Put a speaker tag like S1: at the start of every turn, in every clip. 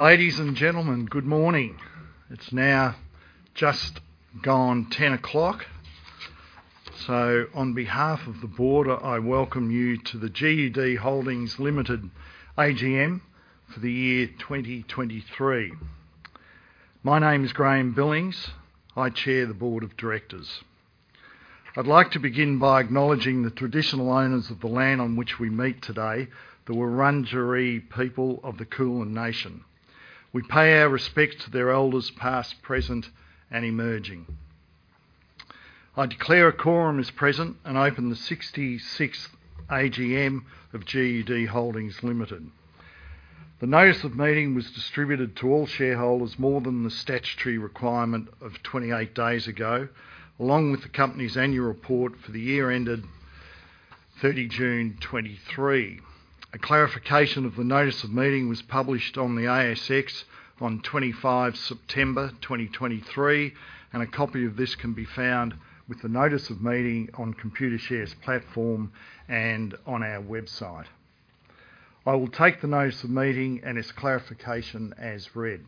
S1: Ladies and gentlemen, good morning. It's now just gone 10:00 A.M. So on behalf of the board, I welcome you to the GUD Holdings Limited AGM for the year 2023. My name is Graeme Billings. I chair the Board of Directors. I'd like to begin by acknowledging the traditional owners of the land on which we meet today, the Wurundjeri people of the Kulin Nation. We pay our respects to their elders, past, present, and emerging. I declare a quorum is present and open the 66th AGM of GUD Holdings Limited. The notice of meeting was distributed to all shareholders more than the statutory requirement of 28 days ago, along with the company's annual report for the year ended 30 June 2023. A clarification of the notice of meeting was published on the ASX on 25 September 2023, and a copy of this can be found with the notice of meeting on Computershare's platform and on our website. I will take the notice of meeting and its clarification as read.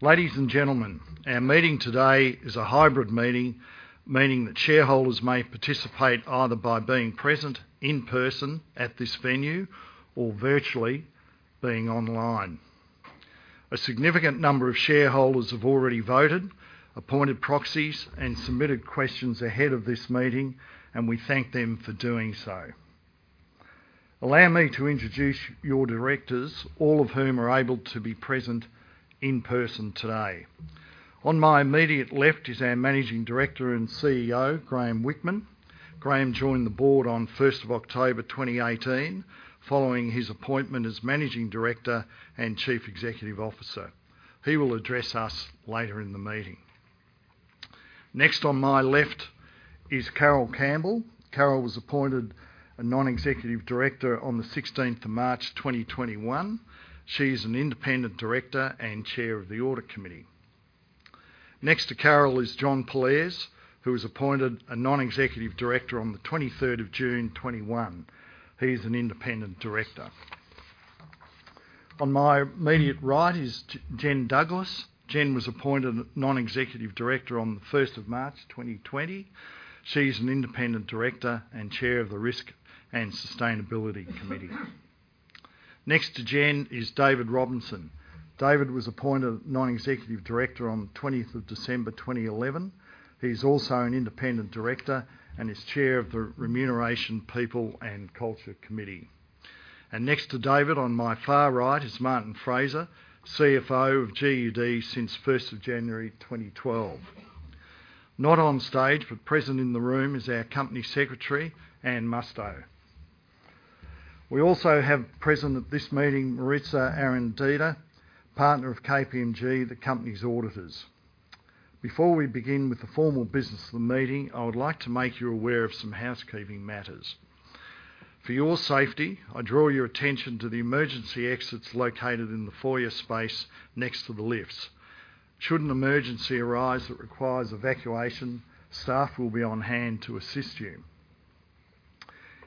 S1: Ladies and gentlemen, our meeting today is a hybrid meeting, meaning that shareholders may participate either by being present in person at this venue or virtually being online. A significant number of shareholders have already voted, appointed proxies, and submitted questions ahead of this meeting, and we thank them for doing so. Allow me to introduce your directors, all of whom are able to be present in person today. On my immediate left is our Managing Director and CEO, Graeme Whickman. Graeme joined the board on first of October 2018, following his appointment as Managing Director and Chief Executive Officer. He will address us later in the meeting. Next on my left is Carole Campbell. Carole was appointed a Non-Executive Director on the sixteenth of March 2021. She is an Independent Director and Chair of the Audit Committee. Next to Carole is John Pollaers, who was appointed a Non-Executive Director on the twenty-third of June 2021. He is an Independent Director. On my immediate right is Jen Douglas. Jen was appointed Non-Executive Director on the first of March 2020. She's an Independent Director and Chair of the Risk and Sustainability Committee. Next to Jen is David Robinson. David was appointed Non-Executive Director on twentieth of December 2011. He's also an Independent Director and is Chair of the Remuneration, People and Culture Committee. Next to David, on my far right, is Martin Fraser, CFO of GUD since January 1, 2012. Not on stage, but present in the room, is our Company Secretary, Anne Mustow. We also have present at this meeting, Maritza Araneda, Partner of KPMG, the company's auditors. Before we begin with the formal business of the meeting, I would like to make you aware of some housekeeping matters. For your safety, I draw your attention to the emergency exits located in the foyer space next to the lifts. Should an emergency arise that requires evacuation, staff will be on hand to assist you.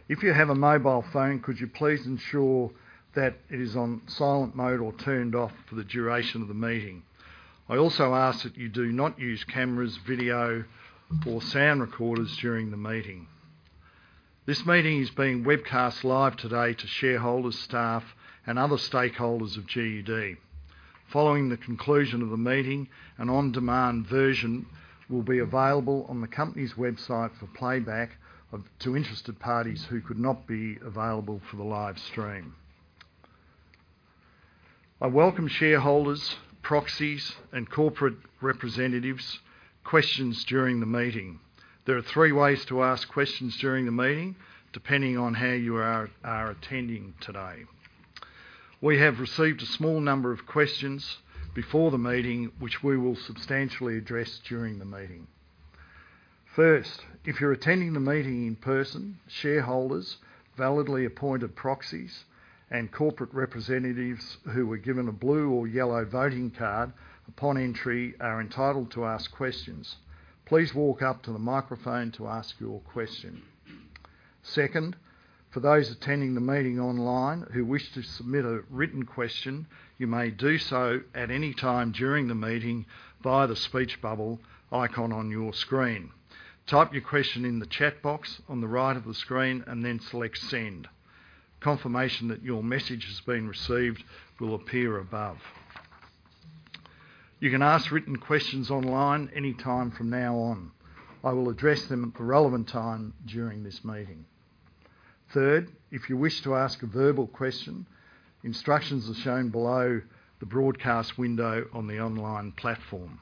S1: If you have a mobile phone, could you please ensure that it is on silent mode or turned off for the duration of the meeting? I also ask that you do not use cameras, video, or sound recorders during the meeting. This meeting is being webcast live today to shareholders, staff, and other stakeholders of GUD. Following the conclusion of the meeting, an on-demand version will be available on the company's website for playback to interested parties who could not be available for the live stream. I welcome shareholders, proxies, and corporate representatives' questions during the meeting. There are three ways to ask questions during the meeting, depending on how you are attending today. We have received a small number of questions before the meeting, which we will substantially address during the meeting. First, if you're attending the meeting in person, shareholders, validly appointed proxies, and corporate representatives who were given a blue or yellow voting card upon entry are entitled to ask questions. Please walk up to the microphone to ask your question. Second, for those attending the meeting online who wish to submit a written question, you may do so at any time during the meeting via the speech bubble icon on your screen. Type your question in the chat box on the right of the screen and then select Send. Confirmation that your message has been received will appear above. You can ask written questions online anytime from now on. I will address them at the relevant time during this meeting. Third, if you wish to ask a verbal question, instructions are shown below the broadcast window on the online platform.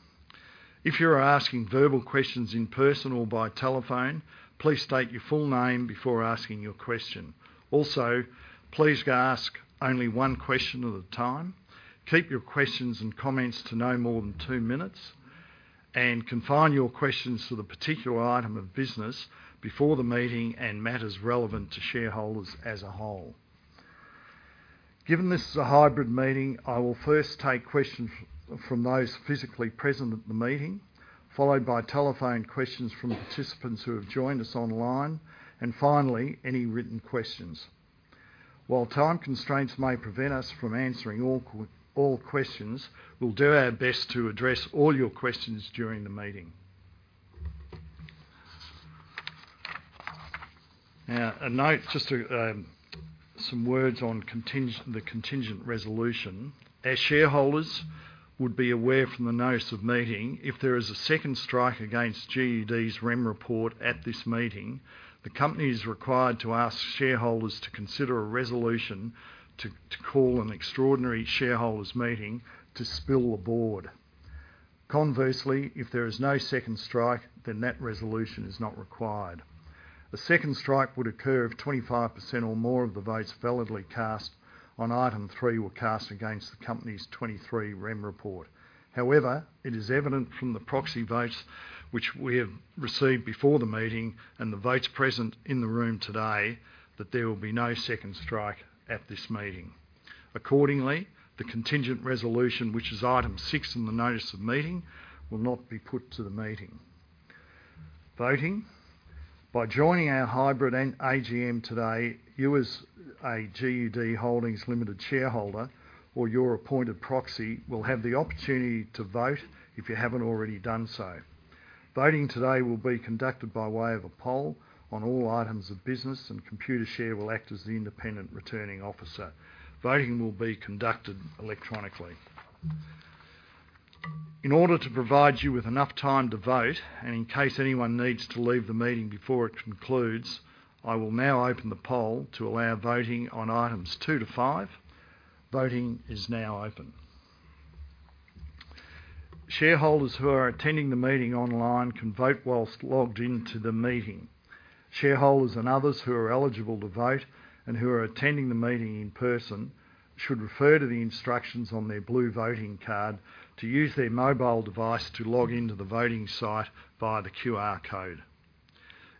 S1: If you are asking verbal questions in person or by telephone, please state your full name before asking your question. Also, please ask only one question at a time. Keep your questions and comments to no more than two minutes, and confine your questions to the particular item of business before the meeting and matters relevant to shareholders as a whole. Given this is a hybrid meeting, I will first take questions from those physically present at the meeting, followed by telephone questions from participants who have joined us online, and finally, any written questions. While time constraints may prevent us from answering all questions, we'll do our best to address all your questions during the meeting. Now, a note, just to some words on contingent, the contingent resolution. As shareholders would be aware from the notice of meeting, if there is a second strike against GUD's Rem report at this meeting, the company is required to ask shareholders to consider a resolution to call an extraordinary shareholders' meeting to spill the board. Conversely, if there is no second strike, then that resolution is not required. A second strike would occur if 25% or more of the votes validly cast on item 3 were cast against the company's 2023 Rem report. However, it is evident from the proxy votes, which we have received before the meeting, and the votes present in the room today, that there will be no second strike at this meeting. Accordingly, the contingent resolution, which is item 6 in the notice of meeting, will not be put to the meeting. Voting. By joining our hybrid and AGM today, you as a GUD Holdings Limited shareholder, or your appointed proxy, will have the opportunity to vote if you haven't already done so. Voting today will be conducted by way of a poll on all items of business, and Computershare will act as the independent returning officer. Voting will be conducted electronically. In order to provide you with enough time to vote, and in case anyone needs to leave the meeting before it concludes, I will now open the poll to allow voting on items 2 to 5. Voting is now open. Shareholders who are attending the meeting online can vote while logged into the meeting. Shareholders and others who are eligible to vote and who are attending the meeting in person, should refer to the instructions on their blue voting card to use their mobile device to log in to the voting site via the QR code.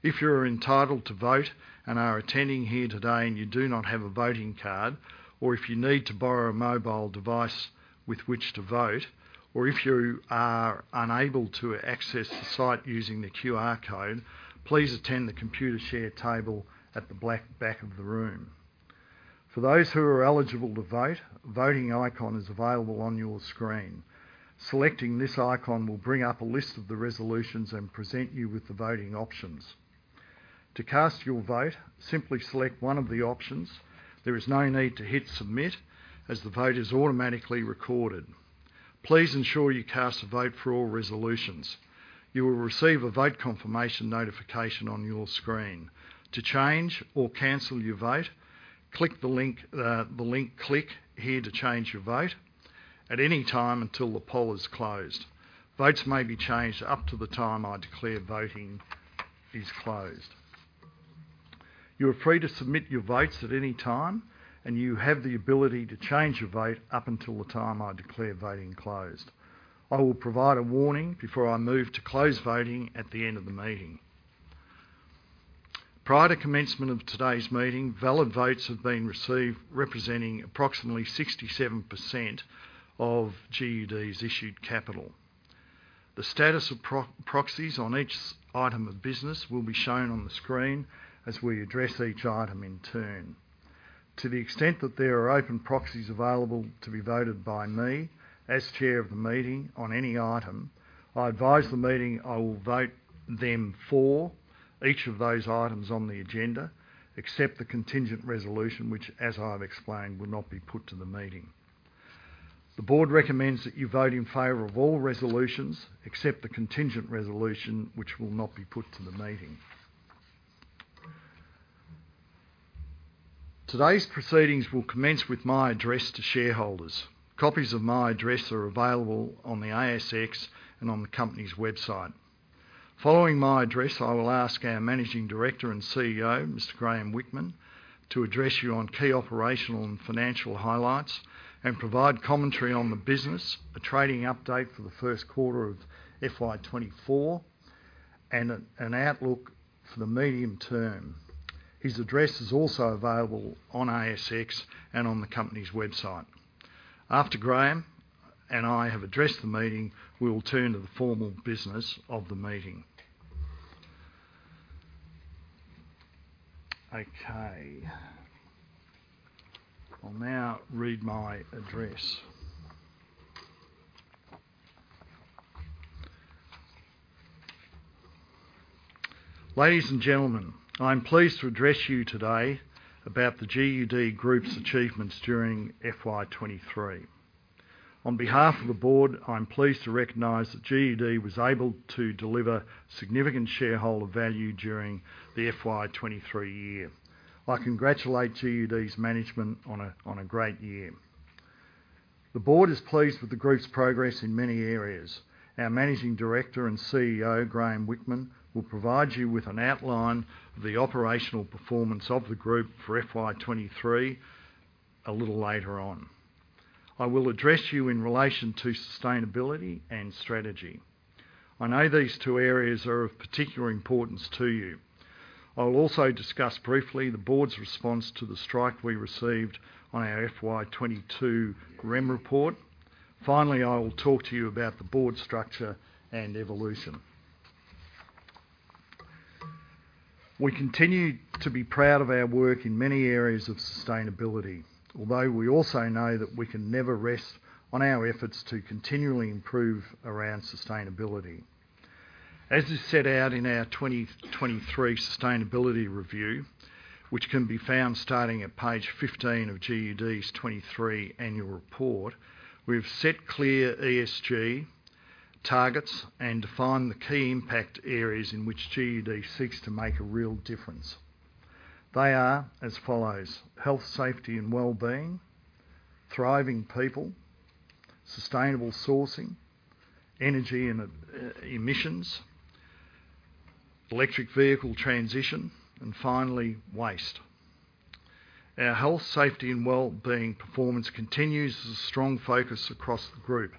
S1: If you're entitled to vote and are attending here today and you do not have a voting card, or if you need to borrow a mobile device with which to vote, or if you are unable to access the site using the QR code, please attend the Computershare table at the back of the room. For those who are eligible to vote, a voting icon is available on your screen. Selecting this icon will bring up a list of the resolutions and present you with the voting options. To cast your vote, simply select one of the options. There is no need to hit Submit, as the vote is automatically recorded. Please ensure you cast a vote for all resolutions. You will receive a vote confirmation notification on your screen. To change or cancel your vote, click the link, Click here to change your vote at any time until the poll is closed. Votes may be changed up to the time I declare voting is closed. You are free to submit your votes at any time, and you have the ability to change your vote up until the time I declare voting closed. I will provide a warning before I move to close voting at the end of the meeting. Prior to commencement of today's meeting, valid votes have been received, representing approximately 67% of GUD's issued capital. The status of proxies on each item of business will be shown on the screen as we address each item in turn. To the extent that there are open proxies available to be voted by me, as chair of the meeting, on any item, I advise the meeting I will vote them for each of those items on the agenda, except the contingent resolution, which, as I've explained, will not be put to the meeting. The Board recommends that you vote in favor of all resolutions, except the contingent resolution, which will not be put to the meeting. Today's proceedings will commence with my address to shareholders. Copies of my address are available on the ASX and on the company's website. Following my address, I will ask our Managing Director and CEO, Mr. Graeme Whickman, to address you on key operational and financial highlights and provide commentary on the business, a trading update for the first quarter of FY 2024, and an outlook for the medium term. His address is also available on ASX and on the company's website. After Graeme and I have addressed the meeting, we will turn to the formal business of the meeting. Okay. I'll now read my address. Ladies and gentlemen, I'm pleased to address you today about the GUD Group's achievements during FY 2023. On behalf of the board, I'm pleased to recognize that GUD was able to deliver significant shareholder value during the FY 2023 year. I congratulate GUD's management on a great year. The board is pleased with the group's progress in many areas. Our Managing Director and CEO, Graeme Whickman, will provide you with an outline of the operational performance of the group for FY 2023 a little later on. I will address you in relation to sustainability and strategy. I know these two areas are of particular importance to you. I will also discuss briefly the board's response to the strike we received on our FY 2022 Rem report. Finally, I will talk to you about the board's structure and evolution. We continue to be proud of our work in many areas of sustainability, although we also know that we can never rest on our efforts to continually improve around sustainability. As is set out in our 2023 sustainability review, which can be found starting at page 15 of GUD's 23 annual report, we've set clear ESG targets and defined the key impact areas in which GUD seeks to make a real difference. They are as follows: health, safety and wellbeing, thriving people, sustainable sourcing, energy and emissions, electric vehicle transition, and finally, waste. Our health, safety and wellbeing performance continues as a strong focus across the group,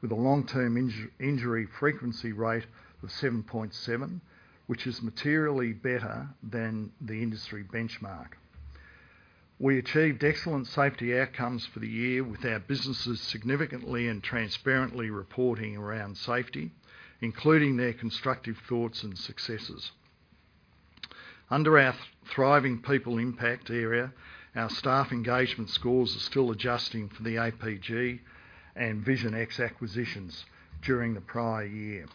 S1: with a long-term injury frequency rate of 7.7, which is materially better than the industry benchmark. We achieved excellent safety outcomes for the year, with our businesses significantly and transparently reporting around safety, including their constructive thoughts and successes. Under our thriving people impact area, our staff engagement scores are still adjusting for the APG and Vision X acquisitions during the prior year.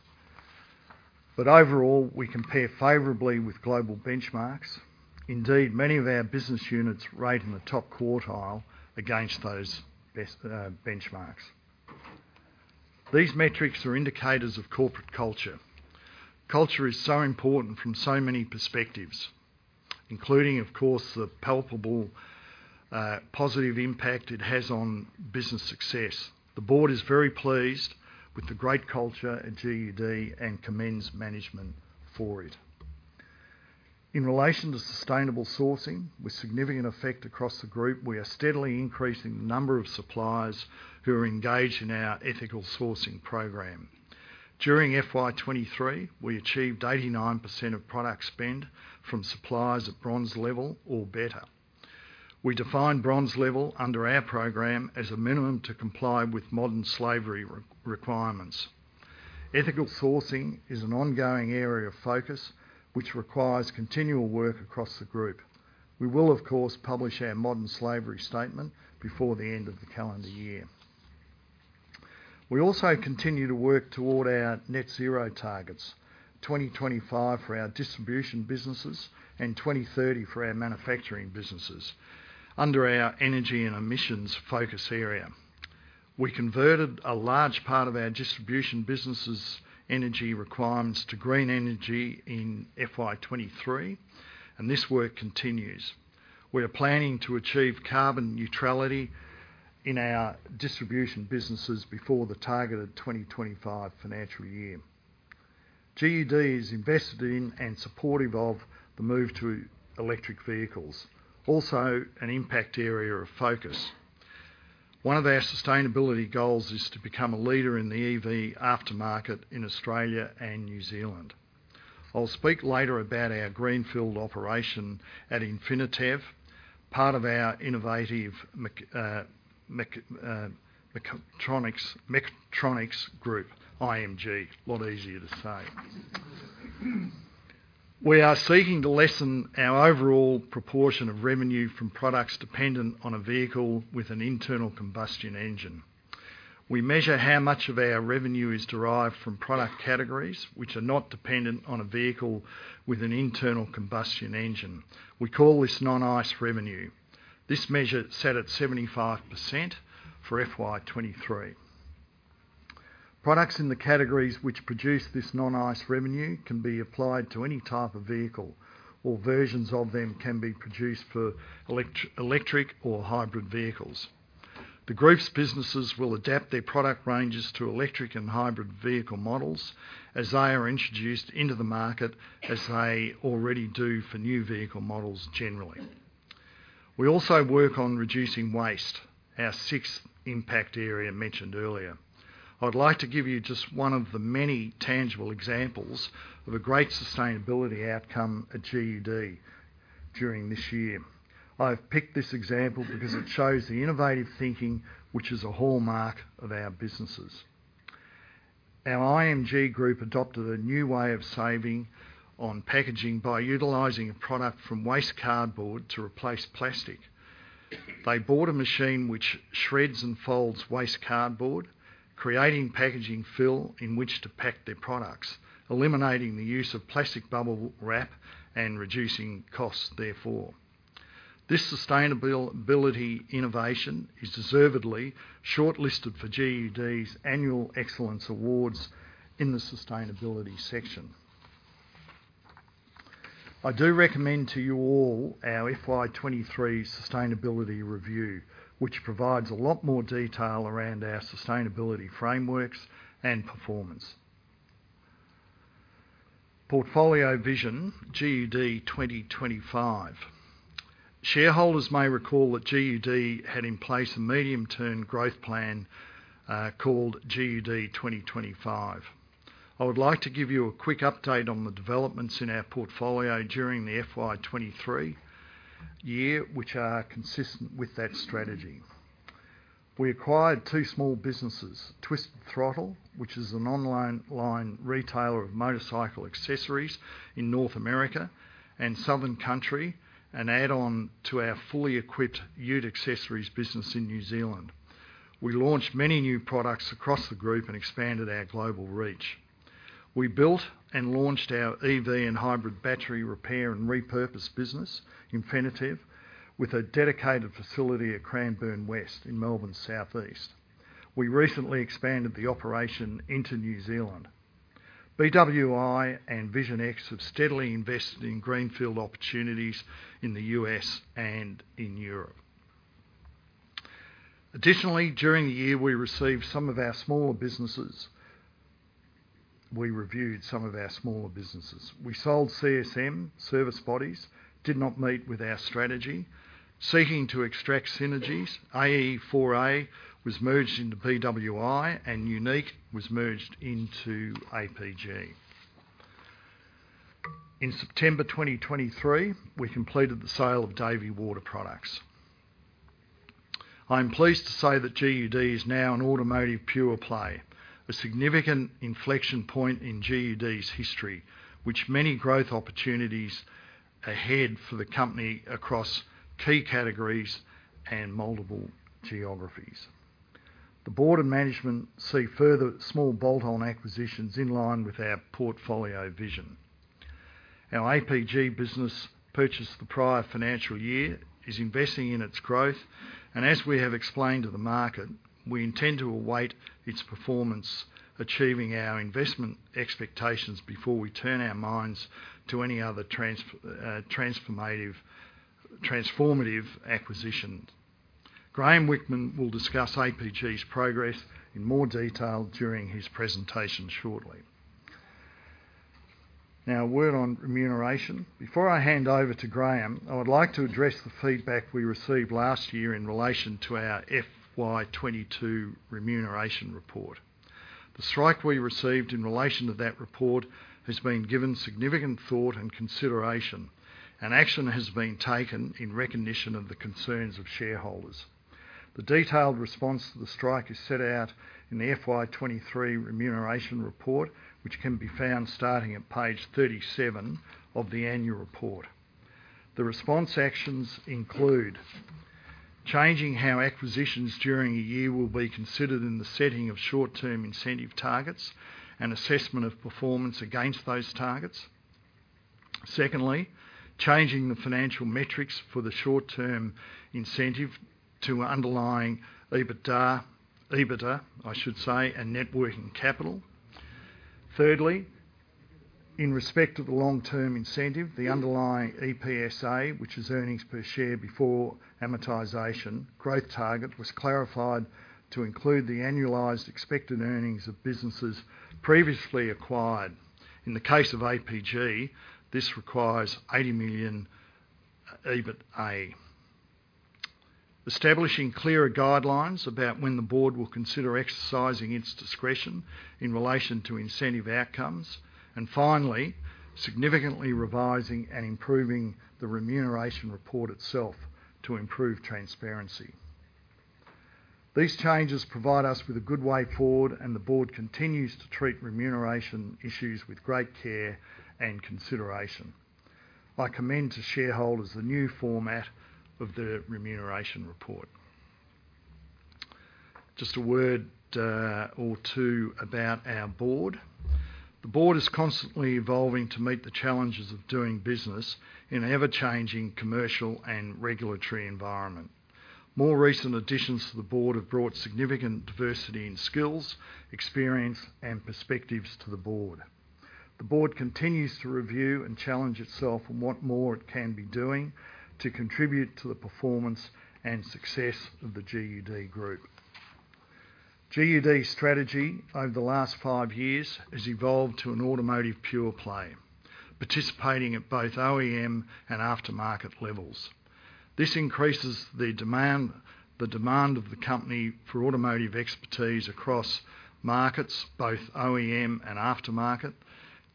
S1: But overall, we compare favorably with global benchmarks. Indeed, many of our business units rate in the top quartile against those best benchmarks. These metrics are indicators of corporate culture. Culture is so important from so many perspectives, including, of course, the palpable positive impact it has on business success. The board is very pleased with the great culture at GUD and commends management for it. In relation to sustainable sourcing, with significant effect across the group, we are steadily increasing the number of suppliers who are engaged in our ethical sourcing program. During FY 2023, we achieved 89% of product spend from suppliers at bronze level or better. We define bronze level under our program as a minimum to comply with modern slavery requirements. Ethical sourcing is an ongoing area of focus, which requires continual work across the group. We will, of course, publish our modern slavery statement before the end of the calendar year. We also continue to work toward our net zero targets, 2025 for our distribution businesses and 2030 for our manufacturing businesses, under our energy and emissions focus area. We converted a large part of our distribution business' energy requirements to green energy in FY 2023, and this work continues. We are planning to achieve carbon neutrality in our distribution businesses before the targeted 2025 financial year. GUD is invested in and supportive of the move to electric vehicles, also an impact area of focus. One of our sustainability goals is to become a leader in the EV aftermarket in Australia and New Zealand. I'll speak later about our greenfield operation at Infinitev, part of our Innovative Mechatronics, Mechatronics Group, IMG. A lot easier to say. We are seeking to lessen our overall proportion of revenue from products dependent on a vehicle with an internal combustion engine. We measure how much of our revenue is derived from product categories, which are not dependent on a vehicle with an internal combustion engine. We call this non-ICE revenue. This measure set at 75% for FY 2023. Products in the categories which produce this non-ICE revenue can be applied to any type of vehicle, or versions of them can be produced for electric or hybrid vehicles. The group's businesses will adapt their product ranges to electric and hybrid vehicle models as they are introduced into the market, as they already do for new vehicle models generally. We also work on reducing waste, our sixth impact area mentioned earlier. I'd like to give you just one of the many tangible examples of a great sustainability outcome at GUD during this year. I've picked this example because it shows the innovative thinking, which is a hallmark of our businesses. Our IMG group adopted a new way of saving on packaging by utilizing a product from waste cardboard to replace plastic. They bought a machine which shreds and folds waste cardboard, creating packaging fill in which to pack their products, eliminating the use of plastic bubble wrap and reducing costs therefore. This sustainability innovation is deservedly shortlisted for GUD's Annual Excellence Awards in the sustainability section. I do recommend to you all our FY 2023 sustainability review, which provides a lot more detail around our sustainability frameworks and performance. Portfolio vision, GUD 2025. Shareholders may recall that GUD had in place a medium-term growth plan, called GUD 2025. I would like to give you a quick update on the developments in our portfolio during the FY 2023 year, which are consistent with that strategy. We acquired two small businesses, Twisted Throttle, which is an online retailer of motorcycle accessories in North America, and Southern Country, an add-on to our fully equipped ute accessories business in New Zealand. We launched many new products across the group and expanded our global reach. We built and launched our EV and hybrid battery repair and repurpose business, Infinitev, with a dedicated facility at Cranbourne West in Melbourne's southeast. We recently expanded the operation into New Zealand. BWI and Vision X have steadily invested in greenfield opportunities in the U.S. and in Europe. Additionally, during the year, we reviewed some of our smaller businesses. We sold CSM Service Bodies, did not meet with our strategy. Seeking to extract synergies, AE4A was merged into BWI and Unique was merged into APG. In September 2023, we completed the sale of Davey Water Products. I'm pleased to say that GUD is now an automotive pure play, a significant inflection point in GUD's history, which many growth opportunities ahead for the company across key categories and multiple geographies. The board and management see further small bolt-on acquisitions in line with our portfolio vision. Our APG business, purchased the prior financial year, is investing in its growth, and as we have explained to the market, we intend to await its performance, achieving our investment expectations before we turn our minds to any other transformative, transformative acquisitions. Graeme Whickman will discuss APG's progress in more detail during his presentation shortly. Now, a word on remuneration. Before I hand over to Graeme, I would like to address the feedback we received last year in relation to our FY 2022 remuneration report. The strike we received in relation to that report has been given significant thought and consideration, and action has been taken in recognition of the concerns of shareholders. The detailed response to the strike is set out in the FY 2023 remuneration report, which can be found starting at page 37 of the annual report. The response actions include: changing how acquisitions during a year will be considered in the setting of short-term incentive targets and assessment of performance against those targets. Secondly, changing the financial metrics for the short-term incentive to underlying EBITDA, EBITDA, I should say, and net working capital. Thirdly, in respect of the long-term incentive, the underlying EPSA, which is earnings per share before amortization, growth target was clarified to include the annualized expected earnings of businesses previously acquired. In the case of APG, this requires 80 million EBITA. Establishing clearer guidelines about when the board will consider exercising its discretion in relation to incentive outcomes, and finally, significantly revising and improving the remuneration report itself to improve transparency. These changes provide us with a good way forward, and the board continues to treat remuneration issues with great care and consideration. I commend to shareholders the new format of the remuneration report. Just a word, or two about our board. The board is constantly evolving to meet the challenges of doing business in an ever-changing commercial and regulatory environment. More recent additions to the board have brought significant diversity in skills, experience, and perspectives to the board. The board continues to review and challenge itself on what more it can be doing to contribute to the performance and success of the GUD Group. GUD's strategy over the last five years has evolved to an automotive pure play, participating at both OEM and aftermarket levels. This increases the demand, the demand of the company for automotive expertise across markets, both OEM and aftermarket,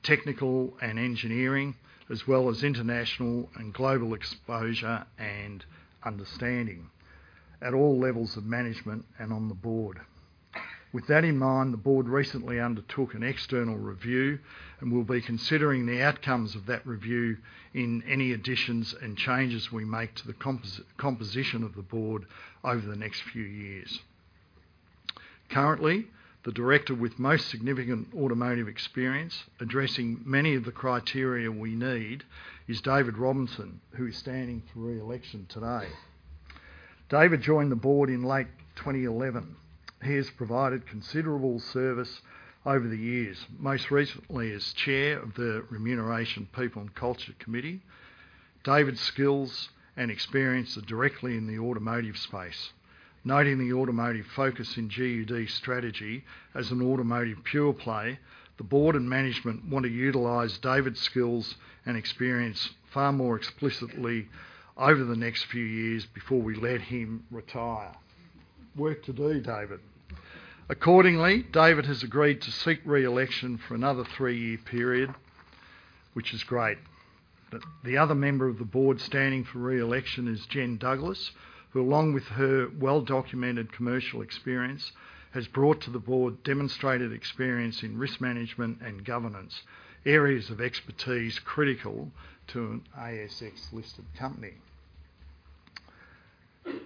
S1: technical and engineering, as well as international and global exposure and understanding at all levels of management and on the board. With that in mind, the board recently undertook an external review, and we'll be considering the outcomes of that review in any additions and changes we make to the composition of the board over the next few years. Currently, the director with most significant automotive experience, addressing many of the criteria we need, is David Robinson, who is standing for re-election today. David joined the board in late 2011. He has provided considerable service over the years, most recently as Chair of the Remuneration, People and Culture Committee. David's skills and experience are directly in the automotive space. Noting the automotive focus in GUD's strategy as an automotive pure play, the board and management want to utilize David's skills and experience far more explicitly over the next few years before we let him retire. Work to do, David! Accordingly, David has agreed to seek re-election for another three-year period, which is great. But the other member of the board standing for re-election is Jen Douglas, who, along with her well-documented commercial experience, has brought to the board demonstrated experience in risk management and governance, areas of expertise critical to an ASX-listed company.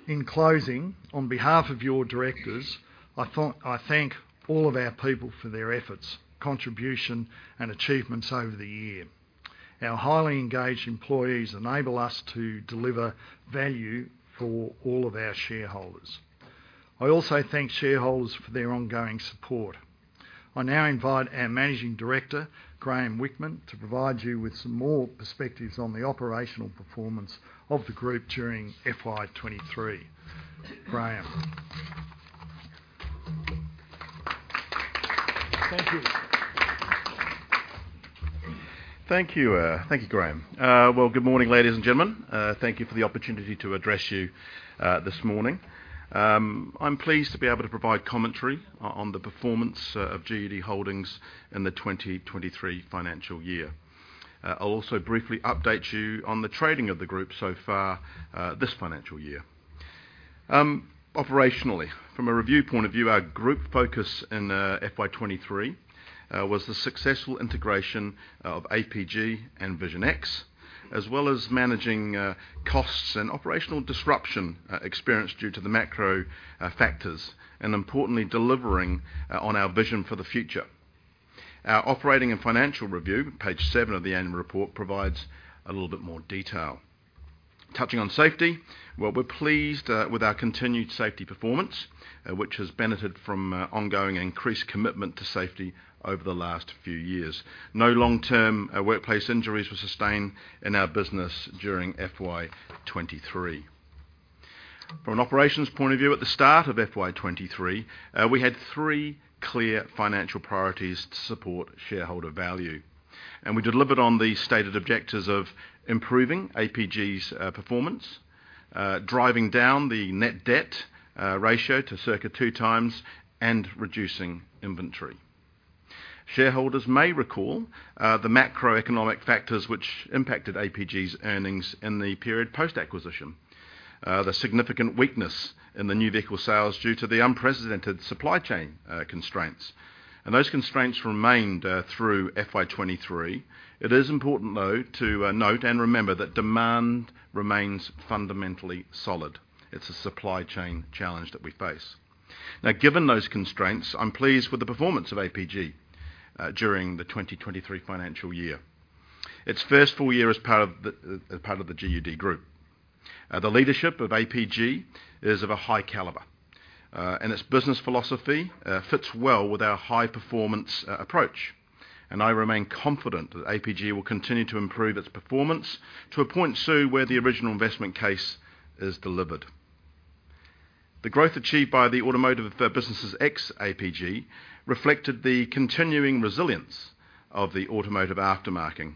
S1: In closing, on behalf of your directors, I thank, I thank all of our people for their efforts, contribution, and achievements over the year. Our highly engaged employees enable us to deliver value for all of our shareholders. I also thank shareholders for their ongoing support. I now invite our Managing Director, Graeme Whickman, to provide you with some more perspectives on the operational performance of the group during FY 23. Graeme? Thank you.
S2: Thank you. Thank you, Graeme. Well, good morning, ladies and gentlemen. Thank you for the opportunity to address you this morning. I'm pleased to be able to provide commentary on the performance of GUD Holdings in the 2023 financial year. I'll also briefly update you on the trading of the group so far this financial year. Operationally, from a review point of view, our group focus in FY 2023 was the successful integration of APG and Vision X, as well as managing costs and operational disruption experienced due to the macro factors, and importantly, delivering on our vision for the future. Our operating and financial review, page 7 of the annual report, provides a little bit more detail. Touching on safety, well, we're pleased with our continued safety performance, which has benefited from ongoing and increased commitment to safety over the last few years. No long-term workplace injuries were sustained in our business during FY 2023. From an operations point of view, at the start of FY 2023, we had three clear financial priorities to support shareholder value, and we delivered on the stated objectives of improving APG's performance, driving down the net debt ratio to circa 2x, and reducing inventory. Shareholders may recall the macroeconomic factors which impacted APG's earnings in the period post-acquisition. The significant weakness in the new vehicle sales due to the unprecedented supply chain constraints, and those constraints remained through FY 2023. It is important, though, to note and remember that demand remains fundamentally solid. It's a supply chain challenge that we face. Now, given those constraints, I'm pleased with the performance of APG during the 2023 financial year, its first full year as part of the GUD group. The leadership of APG is of a high caliber, and its business philosophy fits well with our high-performance approach, and I remain confident that APG will continue to improve its performance to a point so where the original investment case is delivered. The growth achieved by the automotive businesses ex APG reflected the continuing resilience of the automotive aftermarket,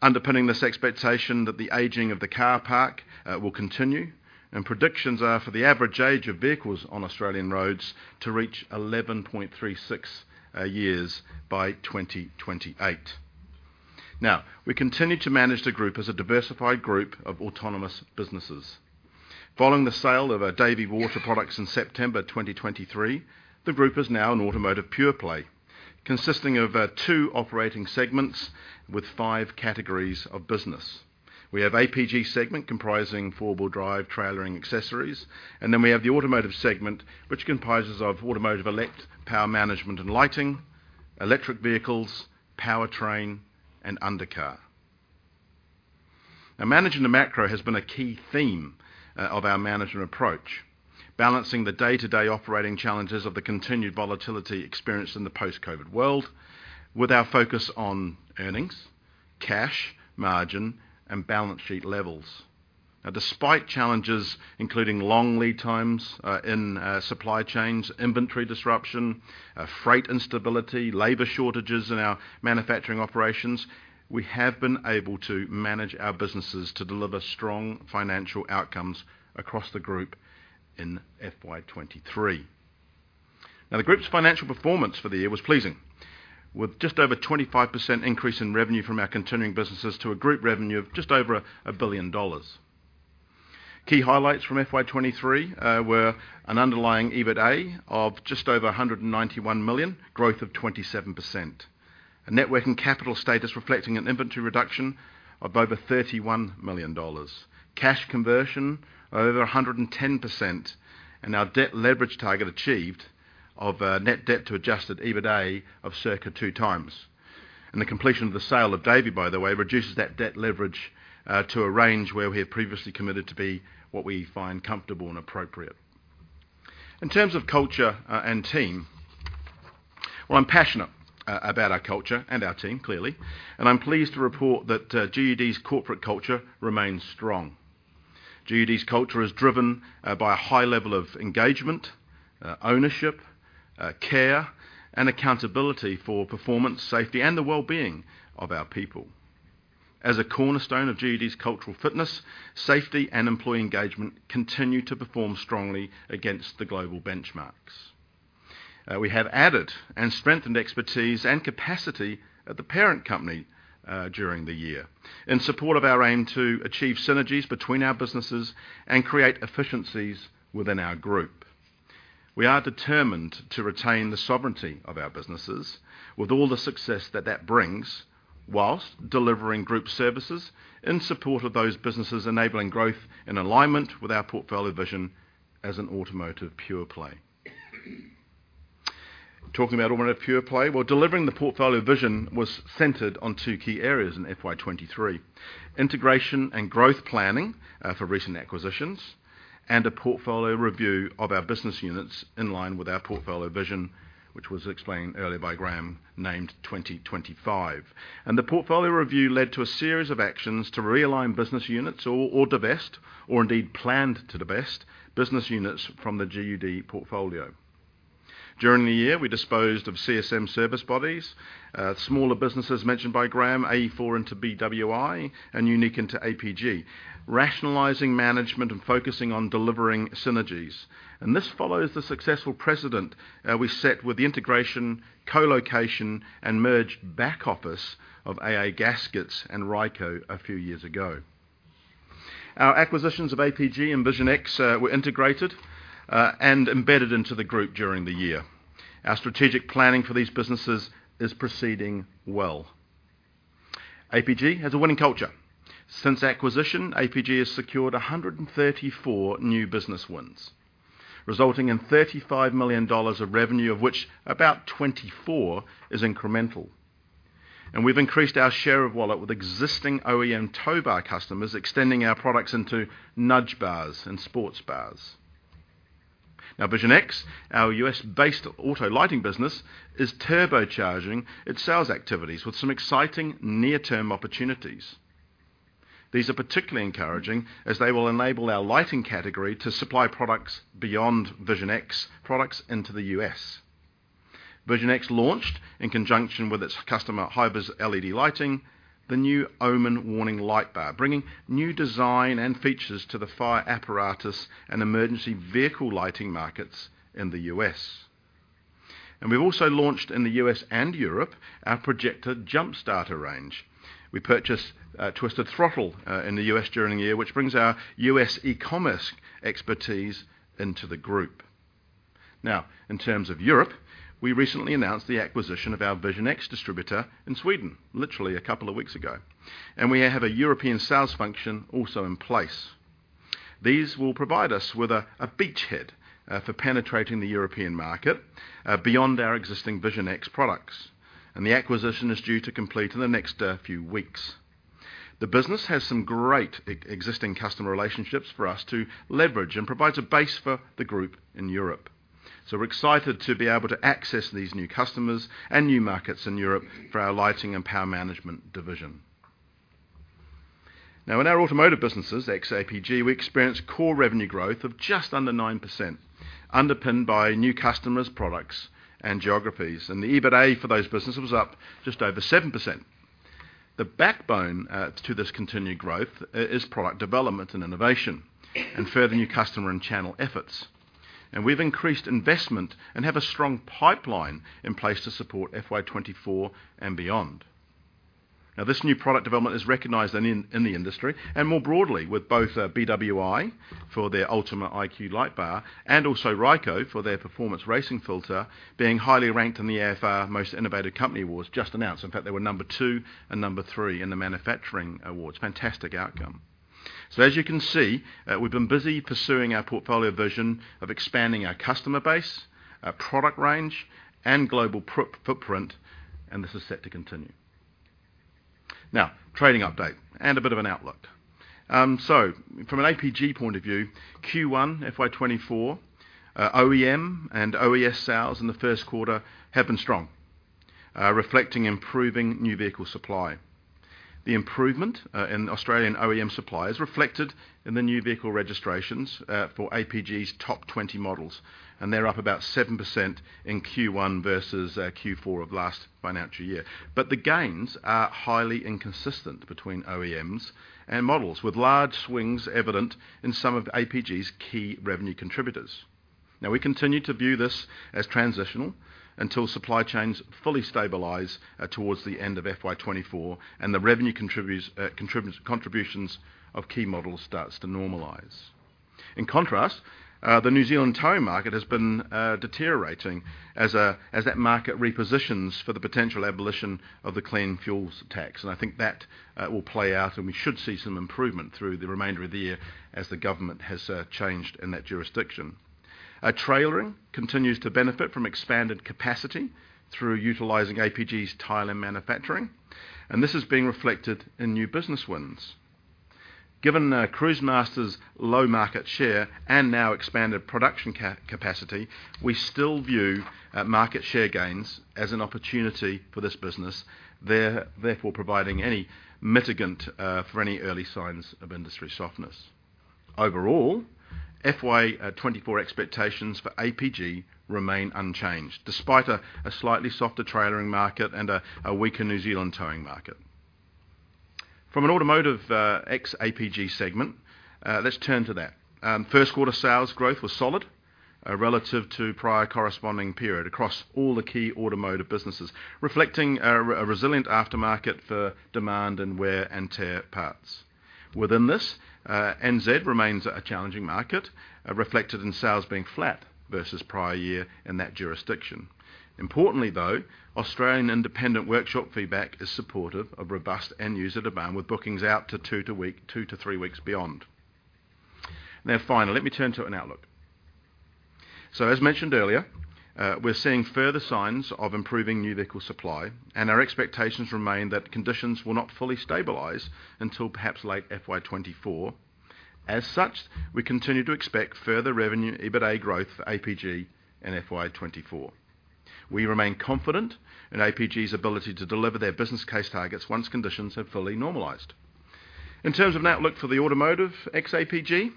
S2: underpinning this expectation that the aging of the car park will continue, and predictions are for the average age of vehicles on Australian roads to reach 11.36 years by 2028. Now, we continue to manage the group as a diversified group of autonomous businesses. Following the sale of our Davey Water Products in September 2023, the group is now an automotive pure play, consisting of two operating segments with five categories of business. We have APG segment, comprising four-wheel drive, trailering, accessories, and then we have the automotive segment, which comprises of automotive elect, power management and lighting, electric vehicles, powertrain, and undercar. Now, managing the macro has been a key theme of our management approach, balancing the day-to-day operating challenges of the continued volatility experienced in the post-COVID world with our focus on earnings, cash, margin, and balance sheet levels. Now, despite challenges, including long lead times in supply chains, inventory disruption, freight instability, labor shortages in our manufacturing operations, we have been able to manage our businesses to deliver strong financial outcomes across the group in FY 2023. Now, the group's financial performance for the year was pleasing, with just over 25% increase in revenue from our continuing businesses to a group revenue of just over 1 billion dollars. Key highlights from FY 2023 were an underlying EBITA of just over 191 million, growth of 27%. A net working capital status reflecting an inventory reduction of over 31 million dollars. Cash conversion over 110%, and our debt leverage target achieved of net debt to adjusted EBITA of circa 2x. The completion of the sale of Davey, by the way, reduces that debt leverage to a range where we had previously committed to be what we find comfortable and appropriate. In terms of culture and team, well, I'm passionate about our culture and our team, clearly, and I'm pleased to report that GUD's corporate culture remains strong. GUD's culture is driven by a high level of engagement, ownership, care, and accountability for performance, safety, and the well-being of our people. As a cornerstone of GUD's cultural fitness, safety and employee engagement continue to perform strongly against the global benchmarks. We have added and strengthened expertise and capacity at the parent company during the year, in support of our aim to achieve synergies between our businesses and create efficiencies within our group. We are determined to retain the sovereignty of our businesses with all the success that that brings, while delivering group services in support of those businesses, enabling growth in alignment with our portfolio vision as an automotive pure play. Talking about automotive pure play, well, delivering the portfolio vision was centered on two key areas in FY 2023: integration and growth planning for recent acquisitions, and a portfolio review of our business units in line with our portfolio vision, which was explained earlier by Graeme, named 2025. The portfolio review led to a series of actions to realign business units or divest, or indeed, planned to divest business units from the GUD portfolio. During the year, we disposed of CSM Service Bodies, smaller businesses mentioned by Graeme, AE4A into BWI and Unique into APG, rationalizing management and focusing on delivering synergies. This follows the successful precedent we set with the integration, co-location, and merged back office of AA Gaskets and Ryco a few years ago. Our acquisitions of APG and Vision X were integrated and embedded into the group during the year. Our strategic planning for these businesses is proceeding well. APG has a winning culture. Since acquisition, APG has secured 134 new business wins, resulting in $35 million of revenue, of which about $24 million is incremental. And we've increased our share of wallet with existing OEM tow bar customers, extending our products into nudge bars and sports bars. Now, Vision X, our U.S.-based auto lighting business, is turbocharging its sales activities with some exciting near-term opportunities. These are particularly encouraging as they will enable our lighting category to supply products beyond Vision X products into the U.S. Vision X launched in conjunction with its customer, HiViz LED Lighting, the new OMEN Warning Light Bar, bringing new design and features to the fire apparatus and emergency vehicle lighting markets in the U.S. We've also launched in the U.S. and Europe, our Projecta jumpstarter range. We purchased Twisted Throttle in the U.S. during the year, which brings our U.S. e-commerce expertise into the group. Now, in terms of Europe, we recently announced the acquisition of our Vision X distributor in Sweden, literally a couple of weeks ago, and we have a European sales function also in place. These will provide us with a beachhead for penetrating the European market beyond our existing Vision X products, and the acquisition is due to complete in the next few weeks. The business has some great existing customer relationships for us to leverage and provides a base for the group in Europe. So we're excited to be able to access these new customers and new markets in Europe for our lighting and power management division. Now, in our automotive businesses, ex APG, we experienced core revenue growth of just under 9%, underpinned by new customers, products, and geographies, and the EBITA for those businesses was up just over 7%. The backbone to this continued growth is product development and innovation, and further new customer and channel efforts. We've increased investment and have a strong pipeline in place to support FY 2024 and beyond. Now, this new product development is recognized in the industry and more broadly with both BWI, for their Ultima IQ Light Bar, and also Ryco, for their Performance Racing Filter, being highly ranked in the AFR Most Innovative Company Awards, just announced. In fact, they were number 2 and number 3 in the manufacturing awards. Fantastic outcome. So as you can see, we've been busy pursuing our portfolio vision of expanding our customer base, our product range, and global footprint, and this is set to continue. Now, trading update and a bit of an outlook. So from an APG point of view, Q1 FY 2024 OEM and OES sales in the first quarter have been strong, reflecting improving new vehicle supply. The improvement in Australian OEM supply is reflected in the new vehicle registrations for APG's top 20 models, and they're up about 7% in Q1 versus Q4 of last financial year. But the gains are highly inconsistent between OEMs and models, with large swings evident in some of APG's key revenue contributors. Now, we continue to view this as transitional until supply chains fully stabilize towards the end of FY 2024, and the revenue contributions of key models starts to normalize. In contrast, the New Zealand towing market has been deteriorating as that market repositions for the potential abolition of the clean fuels tax, and I think that will play out, and we should see some improvement through the remainder of the year as the government has changed in that jurisdiction. Our trailering continues to benefit from expanded capacity through utilizing APG's Thailand manufacturing, and this is being reflected in new business wins. Given Cruisemaster's low market share and now expanded production capacity, we still view market share gains as an opportunity for this business, therefore providing any mitigant for any early signs of industry softness. Overall, FY 2024 expectations for APG remain unchanged, despite a slightly softer trailering market and a weaker New Zealand towing market. From an automotive ex-APG segment, let's turn to that. First quarter sales growth was solid relative to prior corresponding period across all the key automotive businesses, reflecting a resilient aftermarket for demand and wear and tear parts. Within this, NZ remains a challenging market, reflected in sales being flat versus prior year in that jurisdiction. Importantly, though, Australian independent workshop feedback is supportive of robust end user demand, with bookings out to two to three weeks beyond. Now, finally, let me turn to an outlook. So as mentioned earlier, we're seeing further signs of improving new vehicle supply, and our expectations remain that conditions will not fully stabilize until perhaps late FY 2024. As such, we continue to expect further revenue, EBITA growth for APG in FY 2024. We remain confident in APG's ability to deliver their business case targets once conditions have fully normalized. In terms of an outlook for the automotive ex-APG,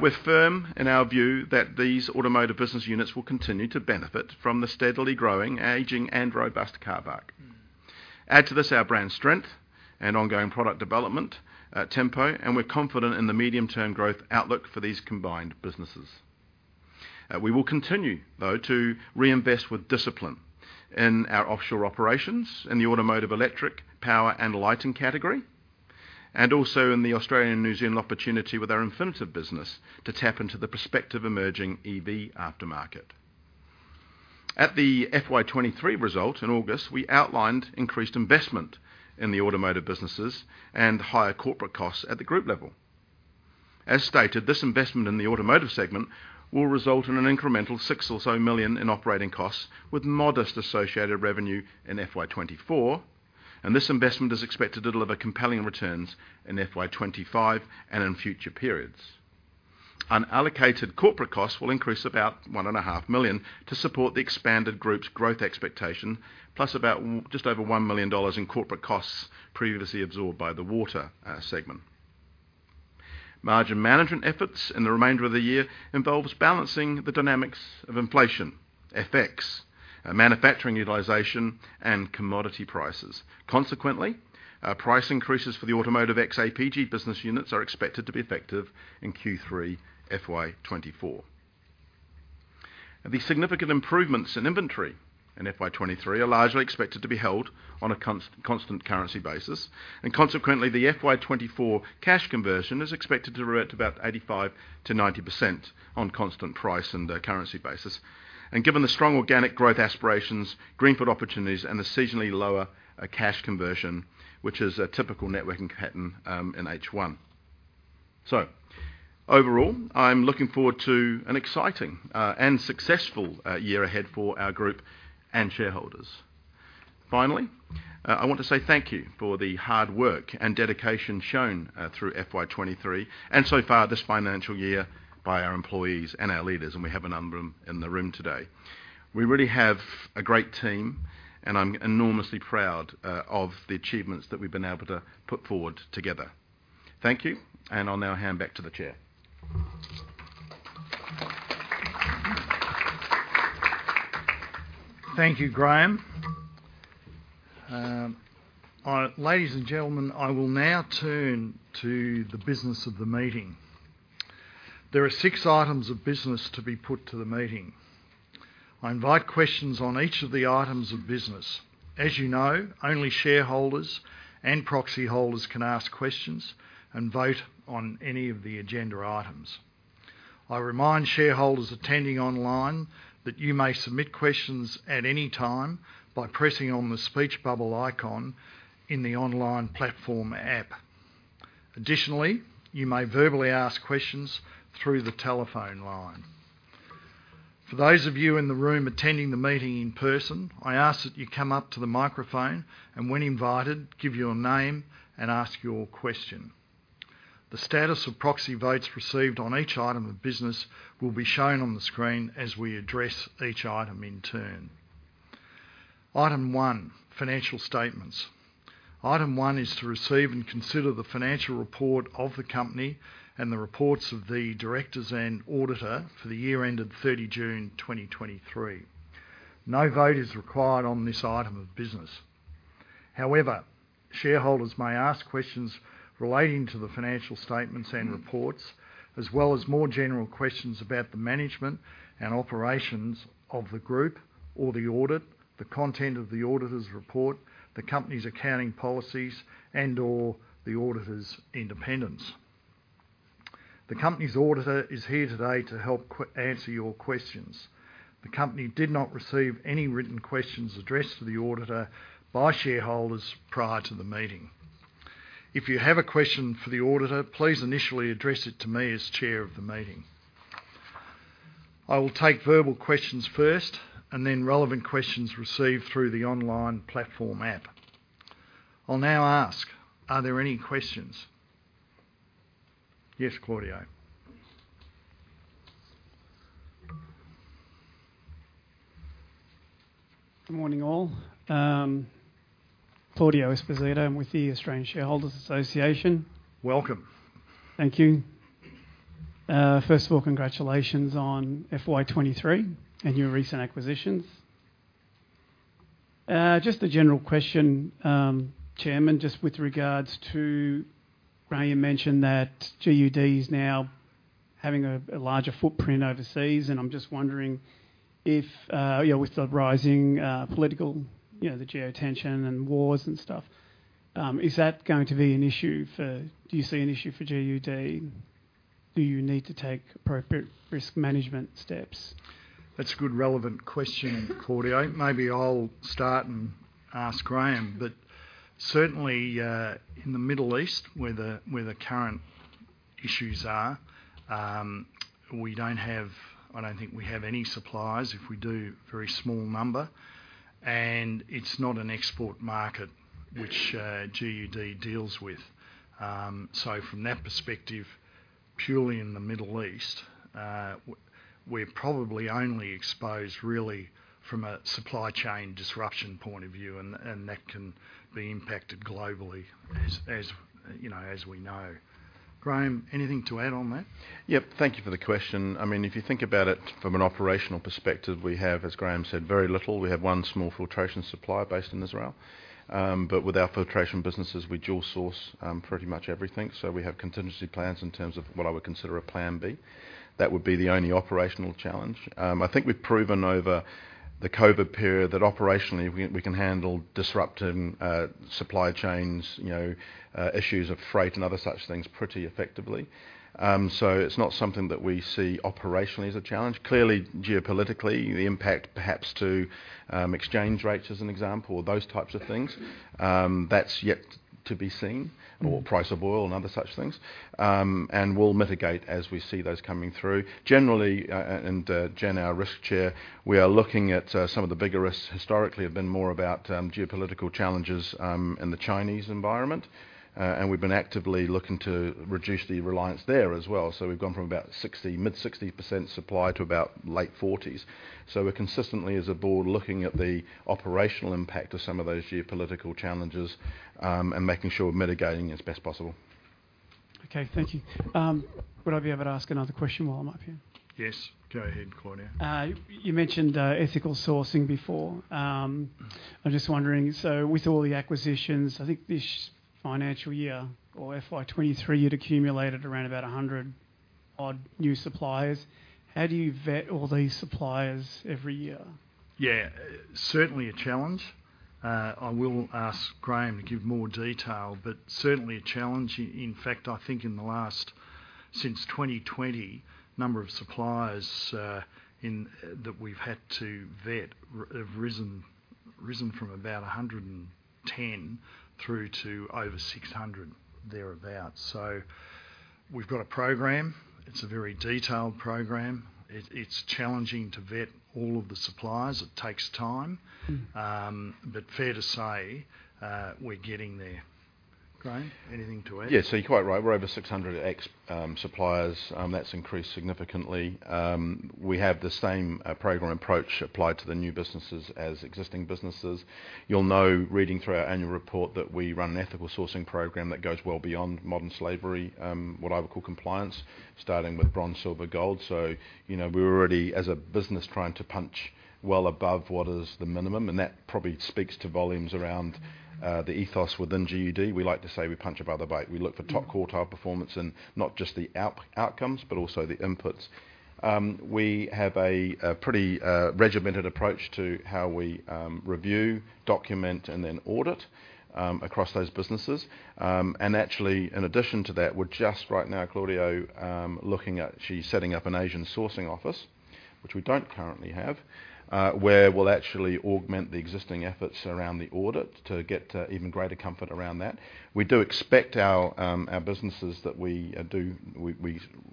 S2: we're firm in our view that these automotive business units will continue to benefit from the steadily growing, aging, and robust car park. Add to this our brand strength and ongoing product development, tempo, and we're confident in the medium-term growth outlook for these combined businesses. We will continue, though, to reinvest with discipline in our offshore operations, in the automotive, electric, power and lighting category, and also in the Australian and New Zealand opportunity with our Infinitev business to tap into the prospective emerging EV aftermarket. At the FY 23 result in August, we outlined increased investment in the automotive businesses and higher corporate costs at the group level. As stated, this investment in the automotive segment will result in an incremental 6 million or so in operating costs, with modest associated revenue in FY 24, and this investment is expected to deliver compelling returns in FY 25 and in future periods. Unallocated corporate costs will increase about 1.5 million to support the expanded group's growth expectation, plus about just over 1 million dollars in corporate costs previously absorbed by the water segment. Margin management efforts in the remainder of the year involves balancing the dynamics of inflation, FX, manufacturing utilization, and commodity prices. Consequently, price increases for the automotive ex-APG business units are expected to be effective in Q3 FY 2024. The significant improvements in inventory in FY 2023 are largely expected to be held on a constant currency basis, and consequently, the FY 2024 cash conversion is expected to revert to about 85%-90% on constant price and currency basis. Given the strong organic growth aspirations, greenfield opportunities, and the seasonally lower cash conversion, which is a typical working capital pattern, in H1. So overall, I'm looking forward to an exciting and successful year ahead for our group and shareholders. Finally, I want to say thank you for the hard work and dedication shown through FY 2023 and so far this financial year by our employees and our leaders, and we have a number of them in the room today. We really have a great team, and I'm enormously proud of the achievements that we've been able to put forward together. Thank you, and I'll now hand back to the chair.
S1: Thank you, Graeme. Ladies and gentlemen, I will now turn to the business of the meeting. There are six items of business to be put to the meeting. I invite questions on each of the items of business. As you know, only shareholders and proxy holders can ask questions and vote on any of the agenda items. I remind shareholders attending online that you may submit questions at any time by pressing on the speech bubble icon in the online platform app. Additionally, you may verbally ask questions through the telephone line. For those of you in the room attending the meeting in person, I ask that you come up to the microphone and, when invited, give your name and ask your question. The status of proxy votes received on each item of business will be shown on the screen as we address each item in turn. Item one: financial statements. Item one is to receive and consider the financial report of the company and the reports of the directors and auditor for the year ended 30 June 2023. No vote is required on this item of business. However, shareholders may ask questions relating to the financial statements and reports, as well as more general questions about the management and operations of the group or the audit, the content of the auditor's report, the company's accounting policies, and/or the auditor's independence. The company's auditor is here today to help answer your questions. The company did not receive any written questions addressed to the auditor by shareholders prior to the meeting. If you have a question for the auditor, please initially address it to me as chair of the meeting. I will take verbal questions first and then relevant questions received through the online platform app. I'll now ask: Are there any questions? Yes, Claudio.
S3: Good morning, all. Claudio Esposito. I'm with the Australian Shareholders Association.
S1: Welcome.
S3: Thank you. First of all, congratulations on FY 2023 and your recent acquisitions. Just a general question, Chairman, just with regards to Graeme mentioned that GUD is now having a larger footprint overseas, and I'm just wondering if. Yeah, with the rising political, you know, the geo-tension and wars and stuff, is that going to be an issue for GUD? Do you see an issue for GUD? Do you need to take appropriate risk management steps?
S1: That's a good, relevant question, Claudio. Maybe I'll start and ask Graeme. But certainly, in the Middle East, where the current issues are, we don't have—I don't think we have any suppliers. If we do, very small number, and it's not an export market which GUD deals with. So from that perspective, purely in the Middle East, we're probably only exposed really from a supply chain disruption point of view, and that can be impacted globally, as you know, as we know. Graeme, anything to add on that?
S2: Yep. Thank you for the question. I mean, if you think about it from an operational perspective, we have, as Graeme said, very little. We have one small filtration supplier based in Israel. But with our filtration businesses, we dual source pretty much everything. So we have contingency plans in terms of what I would consider a plan B. That would be the only operational challenge. I think we've proven over the COVID period that operationally, we can handle disrupting supply chains, you know, issues of freight and other such things pretty effectively. So it's not something that we see operationally as a challenge. Clearly, geopolitically, the impact perhaps to exchange rates, as an example, or those types of things, that's yet to be seen, or price of oil and other such things. And we'll mitigate as we see those coming through. Generally, and Jen, our risk chair, we are looking at some of the bigger risks historically have been more about geopolitical challenges in the Chinese environment, and we've been actively looking to reduce the reliance there as well. So we've gone from about 60, mid-60% supply to about late 40s. So we're consistently, as a board, looking at the operational impact of some of those geopolitical challenges, and making sure we're mitigating as best possible.
S3: Okay, thank you. Would I be able to ask another question while I'm up here?
S1: Yes, go ahead, Claudio.
S3: You mentioned ethical sourcing before. I'm just wondering, so with all the acquisitions, I think this financial year or FY 2023, you'd accumulated around about 100 odd new suppliers. How do you vet all these suppliers every year?
S1: Yeah. Certainly a challenge. I will ask Graeme to give more detail, but certainly a challenge. In fact, I think in the last since 2020, number of suppliers in that we've had to vet have risen from about 110 through to over 600, thereabout. So we've got a program. It's a very detailed program. It's challenging to vet all of the suppliers. It takes time.
S3: Mm-hmm.
S1: Fair to say, we're getting there. Graeme, anything to add?
S2: Yes, so you're quite right. We're over 600 suppliers. That's increased significantly. We have the same program approach applied to the new businesses as existing businesses. You'll know, reading through our annual report, that we run an ethical sourcing program that goes well beyond modern slavery, what I would call compliance, starting with bronze, silver, gold. So, you know, we're already, as a business, trying to punch well above what is the minimum, and that probably speaks to volumes around, the ethos within GUD. We like to say we punch above our weight. We look for top quartile performance in not just the outcomes, but also the inputs. We have a pretty regimented approach to how we review, document, and then audit across those businesses. Actually, in addition to that, we're just right now, Claudio, looking at actually setting up an Asian sourcing office, which we don't currently have, where we'll actually augment the existing efforts around the audit to get even greater comfort around that. We do expect our businesses that we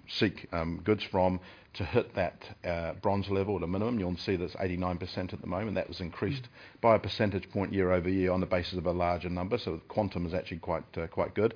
S2: seek goods from to hit that bronze level at a minimum. You'll see that's 89% at the moment.
S3: Mm-hmm.
S2: That was increased by a percentage point year-over-year on the basis of a larger number, so the quantum is actually quite, quite good.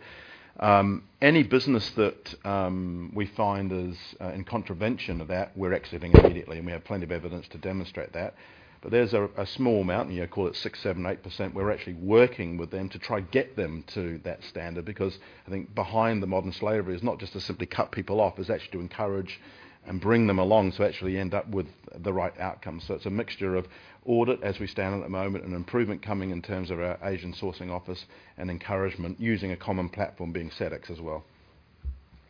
S2: Any business that we find is in contravention of that, we're exiting immediately, and we have plenty of evidence to demonstrate that. But there's a small amount, you know, call it 6%, 7%, 8%, we're actually working with them to try to get them to that standard, because I think behind the modern slavery is not just to simply cut people off, it's actually to encourage and bring them along to actually end up with the right outcome. So it's a mixture of audit as we stand at the moment, and improvement coming in terms of our Asian sourcing office, and encouragement using a common platform, being Sedex as well.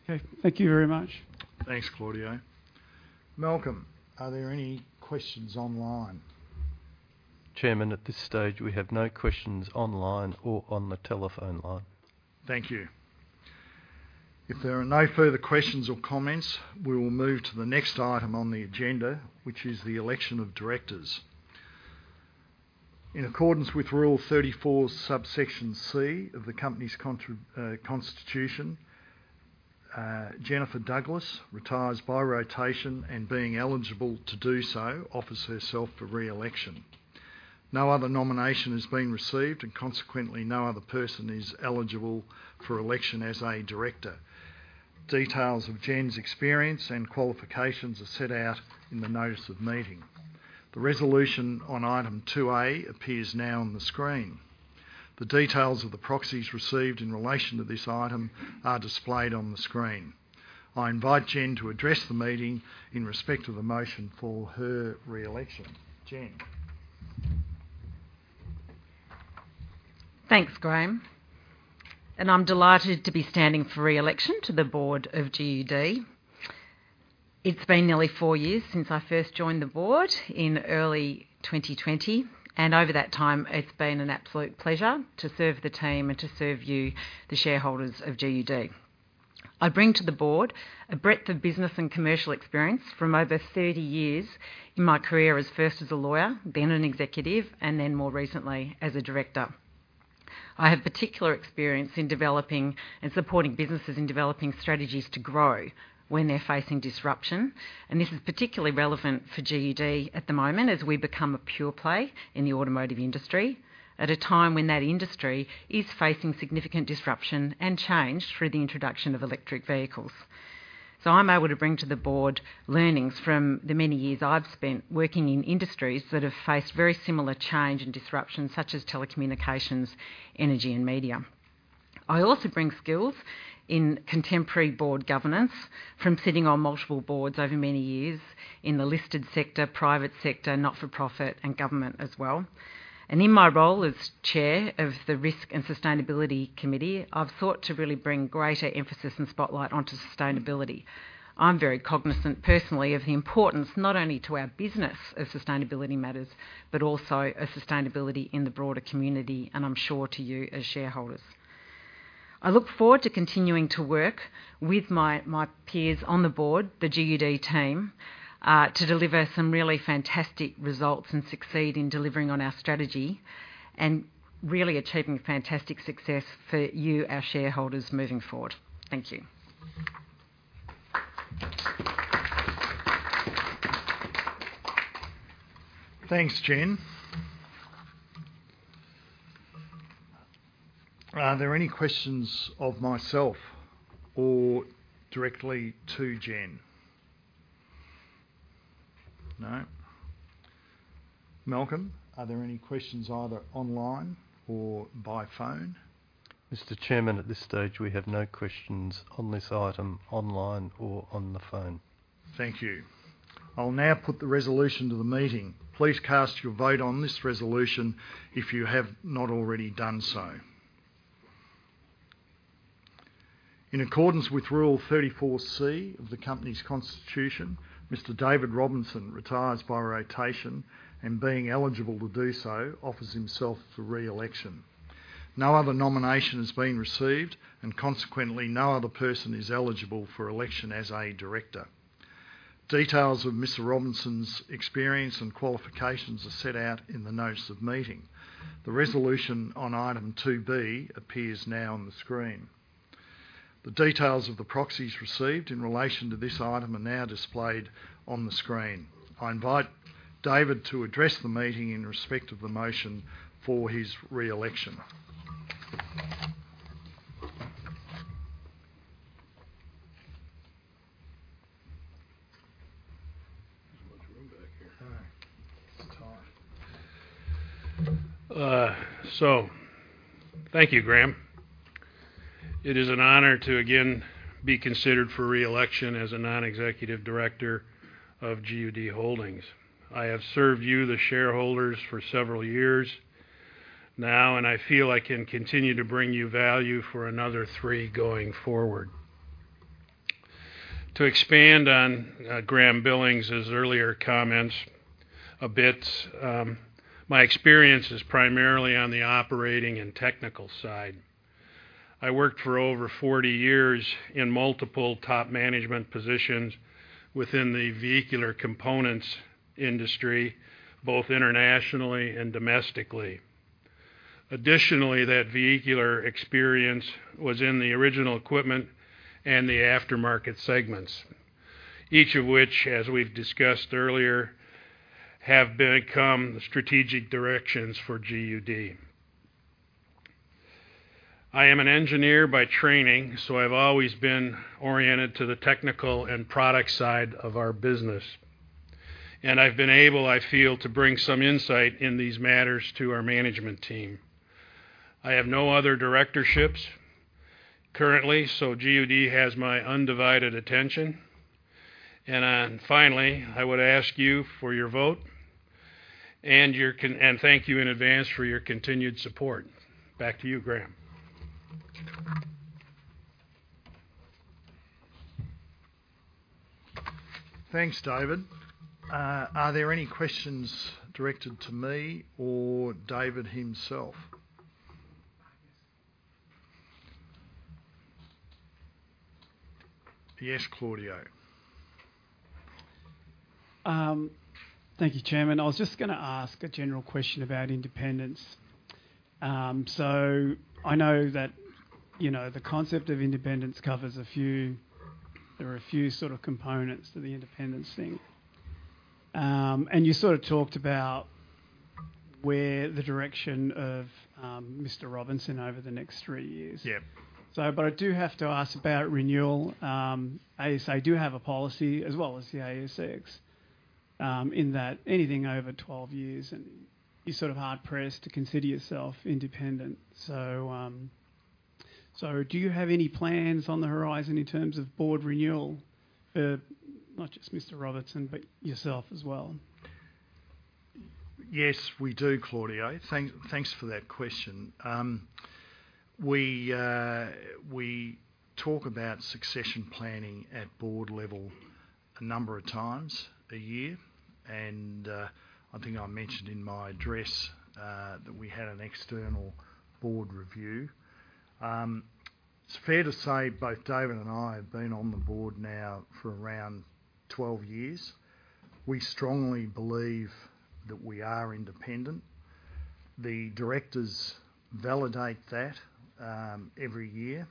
S3: Okay. Thank you very much.
S1: Thanks, Claudio. Malcolm, are there any questions online?
S4: Chairman, at this stage, we have no questions online or on the telephone line.
S1: Thank you. If there are no further questions or comments, we will move to the next item on the agenda, which is the election of directors. In accordance with Rule 34, subsection C of the company's constitution, Jennifer Douglas retires by rotation, and being eligible to do so, offers herself for re-election. No other nomination has been received, and consequently, no other person is eligible for election as a director. Details of Jen's experience and qualifications are set out in the notice of meeting. The resolution on item 2A appears now on the screen. The details of the proxies received in relation to this item are displayed on the screen. I invite Jen to address the meeting in respect of the motion for her re-election. Jen?
S5: Thanks, Graeme, and I'm delighted to be standing for re-election to the board of GUD. It's been nearly four years since I first joined the board in early 2020, and over that time, it's been an absolute pleasure to serve the team and to serve you, the shareholders of GUD. I bring to the board a breadth of business and commercial experience from over 30 years in my career as first as a lawyer, then an executive, and then more recently, as a director. I have particular experience in developing and supporting businesses in developing strategies to grow when they're facing disruption. This is particularly relevant for GUD at the moment, as we become a pure play in the automotive industry, at a time when that industry is facing significant disruption and change through the introduction of electric vehicles. So I'm able to bring to the board learnings from the many years I've spent working in industries that have faced very similar change and disruption, such as telecommunications, energy, and media. I also bring skills in contemporary board governance from sitting on multiple boards over many years in the listed sector, private sector, not-for-profit, and government as well. In my role as Chair of the Risk and Sustainability Committee, I've sought to really bring greater emphasis and spotlight onto sustainability. I'm very cognizant personally, of the importance not only to our business as sustainability matters, but also as sustainability in the broader community, and I'm sure to you as shareholders. I look forward to continuing to work with my peers on the board, the GUD team, to deliver some really fantastic results and succeed in delivering on our strategy and really achieving fantastic success for you, our shareholders, moving forward. Thank you.
S1: Thanks, Jen. Are there any questions of myself or directly to Jen? No. Malcolm, are there any questions either online or by phone?
S4: Mr. Chairman, at this stage, we have no questions on this item, online or on the phone.
S1: Thank you. I'll now put the resolution to the meeting. Please cast your vote on this resolution if you have not already done so. In accordance with Rule 34 C of the company's constitution, Mr. David Robinson retires by rotation and being eligible to do so, offers himself for re-election. No other nomination has been received, and consequently, no other person is eligible for election as a director. Details of Mr. Robinson's experience and qualifications are set out in the notice of meeting. The resolution on item 2B appears now on the screen. The details of the proxies received in relation to this item are now displayed on the screen. I invite David to address the meeting in respect of the motion for his re-election.
S6: There's much room back here.
S1: All right. It's tall. So thank you, Graeme. It is an honor to again be considered for re-election as a non-executive director of GUD Holdings. I have served you, the shareholders, for several years now, and I feel I can continue to bring you value for another three going forward. To expand on Graeme Billings's earlier comments a bit, my experience is primarily on the operating and technical side. I worked for over 40 years in multiple top management positions within the vehicular components industry, both internationally and domestically. Additionally, that vehicular experience was in the original equipment and the aftermarket segments, each of which, as we've discussed earlier, have become the strategic directions for GUD.
S6: I am an engineer by training, so I've always been oriented to the technical and product side of our business, and I've been able, I feel, to bring some insight in these matters to our management team. I have no other directorships currently, so GUD has my undivided attention. And, finally, I would ask you for your vote and your confidence, and thank you in advance for your continued support. Back to you, Graeme.
S1: Thanks, David. Are there any questions directed to me or David himself? Yes, Claudio.
S3: Thank you, Chairman. I was just gonna ask a general question about independence. So I know that, you know, the concept of independence covers a few. There are a few sort of components to the independence thing. And you sort of talked about where the direction of Mr. Robinson over the next three years.
S1: Yep.
S3: But I do have to ask about renewal. ASA do have a policy, as well as the ASX, in that anything over 12 years, and you're sort of hard pressed to consider yourself independent. So do you have any plans on the horizon in terms of board renewal for not just Mr. Robinson, but yourself as well?
S1: Yes, we do, Claudio. Thanks for that question. We talk about succession planning at board level a number of times a year, and I think I mentioned in my address that we had an external board review. It's fair to say both David and I have been on the board now for around 12 years. We strongly believe that we are independent. The directors validate that every year.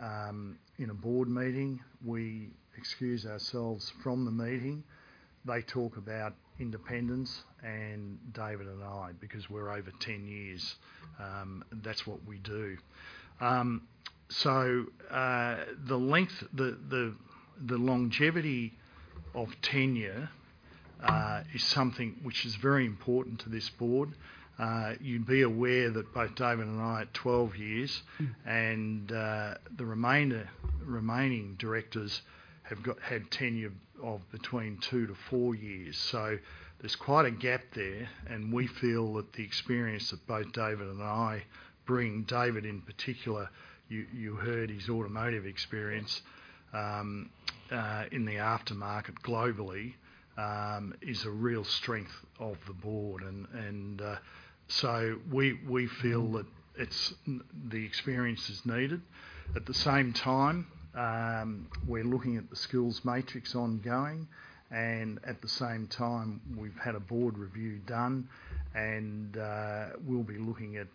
S1: In a board meeting, we excuse ourselves from the meeting. They talk about independence and David and I, because we're over 10 years, that's what we do. So, the longevity of tenure is something which is very important to this board. You'd be aware that both David and I are 12 years, and the remaining directors have had tenure of between 2-4 years. So there's quite a gap there, and we feel that the experience that both David and I bring, David in particular, you heard his automotive experience in the aftermarket globally, is a real strength of the board. And so we feel that it's the experience is needed. At the same time, we're looking at the skills matrix ongoing, and at the same time, we've had a board review done, and we'll be looking at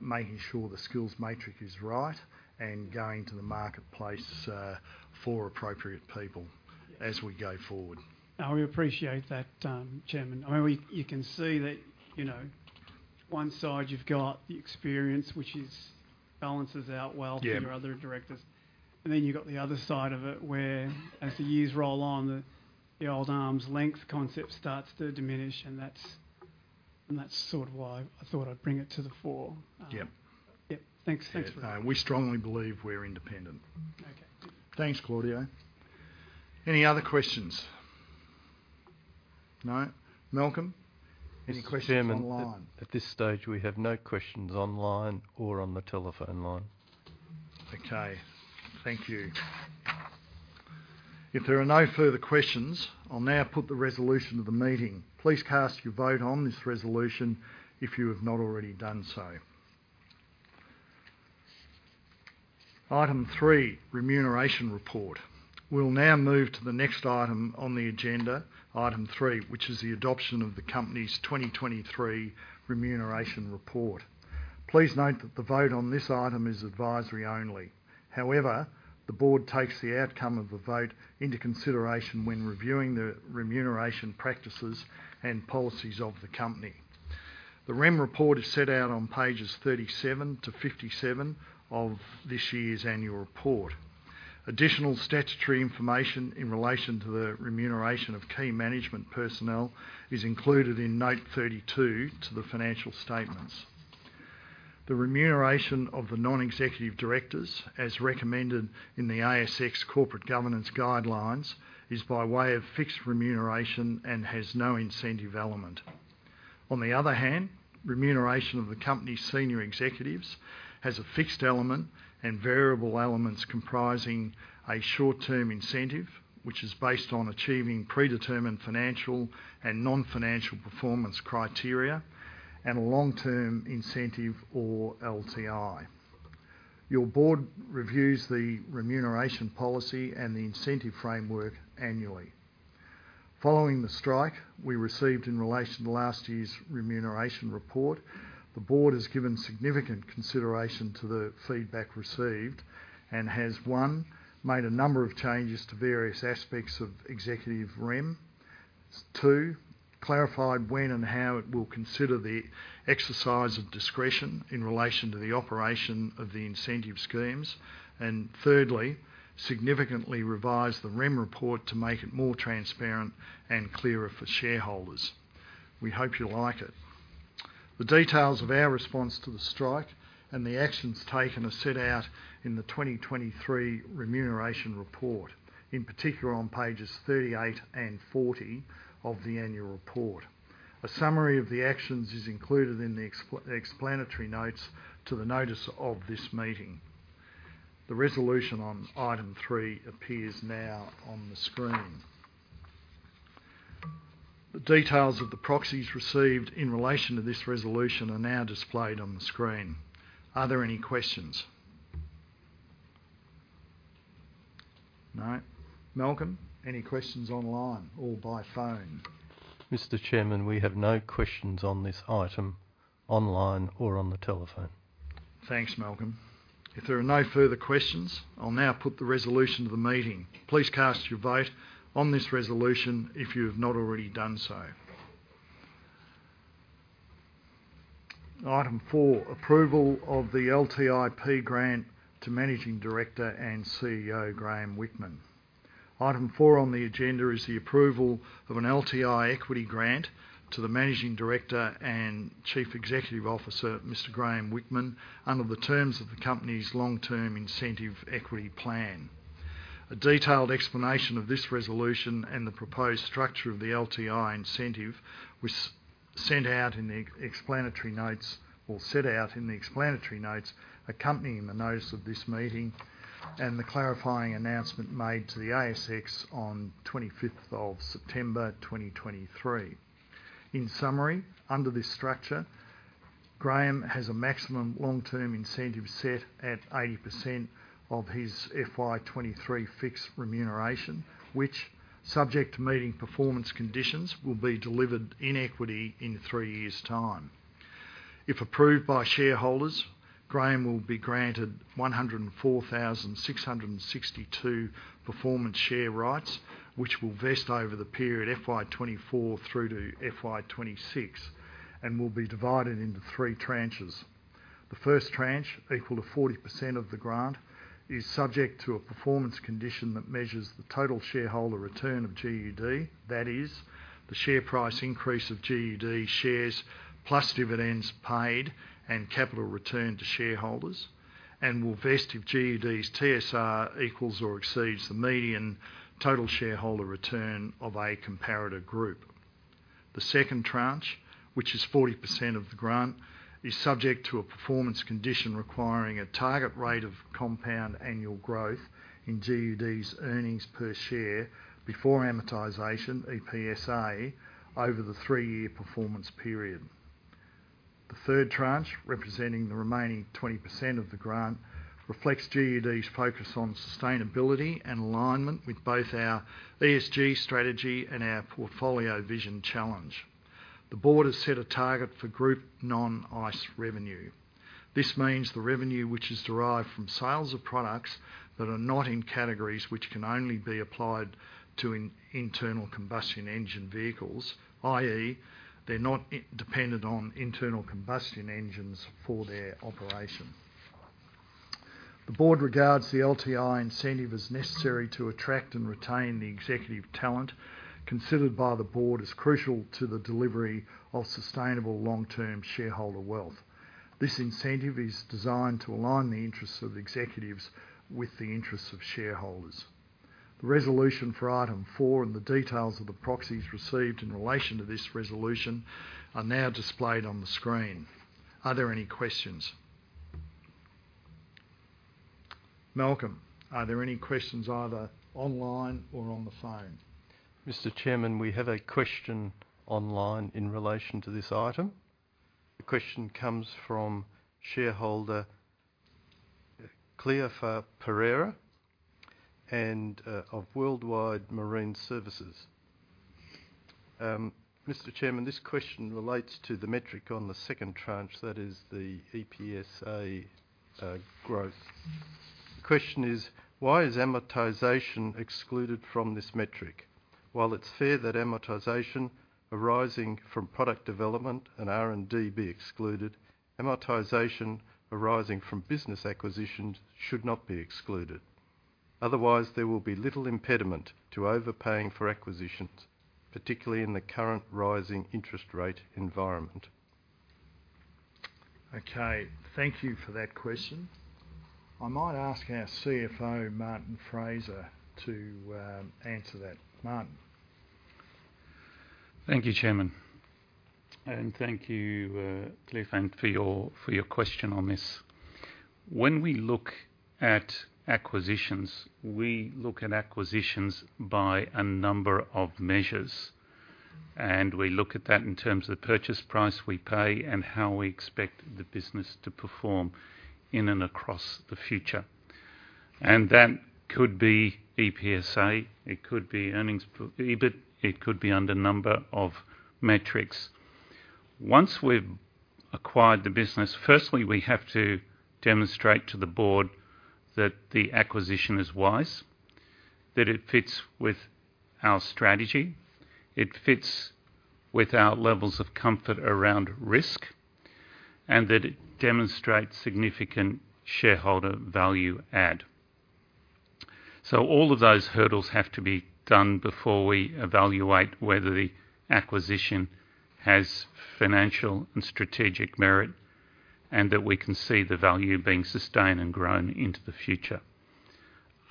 S1: making sure the skills matrix is right and going to the marketplace for appropriate people as we go forward.
S3: I appreciate that, Chairman. I mean, you can see that, you know, one side you've got the experience, which is, balances out well.
S1: Yeah
S3: to your other directors. And then you've got the other side of it, whereas the years roll on, the old arm's length concept starts to diminish, and that's sort of why I thought I'd bring it to the fore.
S1: Yep.
S3: Yep. Thanks. Thanks for that.
S1: We strongly believe we're independent.
S3: Okay.
S1: Thanks, Claudio. Any other questions? No. Malcolm, any questions online?
S4: Chairman, at this stage, we have no questions online or on the telephone line.
S1: Okay, thank you. If there are no further questions, I'll now put the resolution to the meeting. Please cast your vote on this resolution if you have not already done so. Item 3: Remuneration Report. We'll now move to the next item on the agenda, item 3, which is the adoption of the company's 2023 Remuneration Report. Please note that the vote on this item is advisory only. However, the board takes the outcome of the vote into consideration when reviewing the remuneration practices and policies of the company. The Rem report is set out on pages 37-57 of this year's annual report. Additional statutory information in relation to the remuneration of key management personnel is included in Note 32 to the financial statements. The remuneration of the non-executive directors, as recommended in the ASX Corporate Governance Guidelines, is by way of fixed remuneration and has no incentive element. On the other hand, remuneration of the company's senior executives has a fixed element and variable elements comprising a short-term incentive, which is based on achieving predetermined financial and non-financial performance criteria, and a long-term incentive or LTI. Your board reviews the remuneration policy and the incentive framework annually. Following the strike we received in relation to last year's remuneration report, the board has given significant consideration to the feedback received and has, 1, made a number of changes to various aspects of executive Rem. 2, clarified when and how it will consider the exercise of discretion in relation to the operation of the incentive schemes. And thirdly, significantly revised the Rem report to make it more transparent and clearer for shareholders. We hope you'll like it. The details of our response to the strike and the actions taken are set out in the 2023 Remuneration Report, in particular, on pages 38 and 40 of the annual report. A summary of the actions is included in the explanatory notes to the notice of this meeting. The resolution on item 3 appears now on the screen. The details of the proxies received in relation to this resolution are now displayed on the screen. Are there any questions? No. Malcolm, any questions online or by phone? Mr. Chairman, we have no questions on this item, online or on the telephone. Thanks, Malcolm. If there are no further questions, I'll now put the resolution to the meeting. Please cast your vote on this resolution if you have not already done so. Item four: Approval of the LTIP grant to Managing Director and CEO, Graeme Whickman. Item four on the agenda is the approval of an LTI equity grant to the Managing Director and Chief Executive Officer, Mr. Graeme Whickman, under the terms of the company's long-term incentive equity plan. A detailed explanation of this resolution and the proposed structure of the LTI incentive was sent out in the explanatory notes, or set out in the explanatory notes, accompanying the notice of this meeting, and the clarifying announcement made to the ASX on 25th of September, 2023. In summary, under this structure, Graeme has a maximum long-term incentive set at 80% of his FY 2023 fixed remuneration, which, subject to meeting performance conditions, will be delivered in equity in three years' time. If approved by shareholders, Graeme will be granted 104,662 performance share rights, which will vest over the period FY 2024 through to FY 2026 and will be divided into three tranches. The first tranche, equal to 40% of the grant, is subject to a performance condition that measures the total shareholder return of GUD. That is, the share price increase of GUD shares, plus dividends paid and capital returned to shareholders, and will vest if GUD's TSR equals or exceeds the median total shareholder return of a comparator group. The second tranche, which is 40% of the grant, is subject to a performance condition requiring a target rate of compound annual growth in GUD's earnings per share before amortization, EPSA, over the 3-year performance period. The third tranche, representing the remaining 20% of the grant, reflects GUD's focus on sustainability and alignment with both our ESG strategy and our portfolio vision challenge. The board has set a target for group non-ICE revenue. This means the revenue which is derived from sales of products that are not in categories which can only be applied to internal combustion engine vehicles, i.e., they're not dependent on internal combustion engines for their operation. The board regards the LTI incentive as necessary to attract and retain the executive talent considered by the board as crucial to the delivery of sustainable long-term shareholder wealth. This incentive is designed to align the interests of executives with the interests of shareholders. The resolution for item four and the details of the proxies received in relation to this resolution are now displayed on the screen. Are there any questions? Malcolm, are there any questions either online or on the phone?
S4: Mr. Chairman, we have a question online in relation to this item. The question comes from shareholder, Cleofe Pereira, and of Worldwide Marine Services. Mr. Chairman, this question relates to the metric on the second tranche, that is the EPSA, growth. The question is: Why is amortization excluded from this metric? While it's fair that amortization arising from product development and R&D be excluded, amortization arising from business acquisitions should not be excluded. Otherwise, there will be little impediment to overpaying for acquisitions, particularly in the current rising interest rate environment.
S1: Okay, thank you for that question. I might ask our CFO, Martin Fraser, to answer that. Martin?
S7: Thank you, Chairman. And thank you, Claudio, for your question on this. When we look at acquisitions, we look at acquisitions by a number of measures, and we look at that in terms of the purchase price we pay and how we expect the business to perform in and across the future. And that could be EPSA, it could be earnings per EBIT, it could be under a number of metrics. Once we've acquired the business, firstly, we have to demonstrate to the board that the acquisition is wise, that it fits with our strategy, it fits with our levels of comfort around risk, and that it demonstrates significant shareholder value add. So all of those hurdles have to be done before we evaluate whether the acquisition has financial and strategic merit, and that we can see the value being sustained and grown into the future.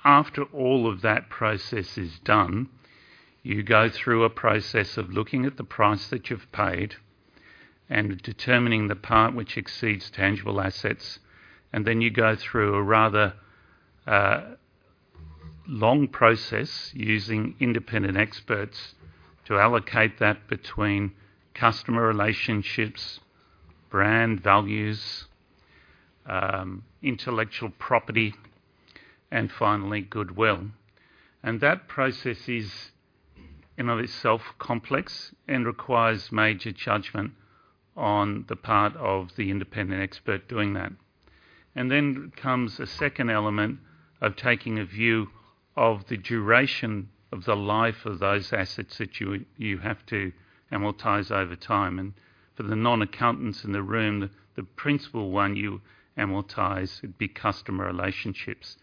S7: After all of that process is done, you go through a process of looking at the price that you've paid and determining the part which exceeds tangible assets, and then you go through a rather long process, using independent experts, to allocate that between customer relationships, brand values, intellectual property, and finally, goodwill. And that process is in and of itself complex and requires major judgment on the part of the independent expert doing that. And then comes a second element of taking a view of the duration of the life of those assets that you have to amortize over time. And for the non-accountants in the room, the principal one you amortize would be customer relationships.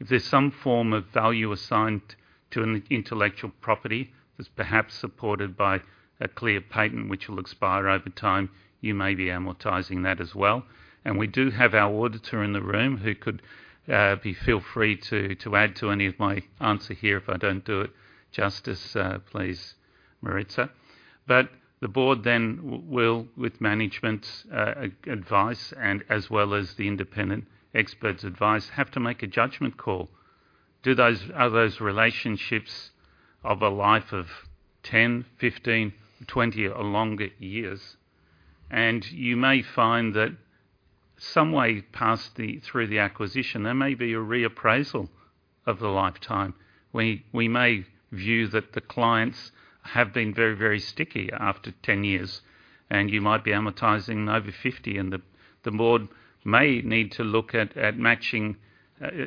S7: If there's some form of value assigned to an intellectual property that's perhaps supported by a clear patent which will expire over time, you may be amortizing that as well. We do have our auditor in the room who could feel free to add to any of my answer here if I don't do it justice, please, Maritza. But the board then will, with management's advice, and as well as the independent expert's advice, have to make a judgment call. Are those relationships of a life of 10, 15, 20, or longer years? And you may find that some way past the acquisition, there may be a reappraisal of the lifetime. We may view that the clients have been very, very sticky after 10 years, and you might be amortizing over 50, and the board may need to look at matching,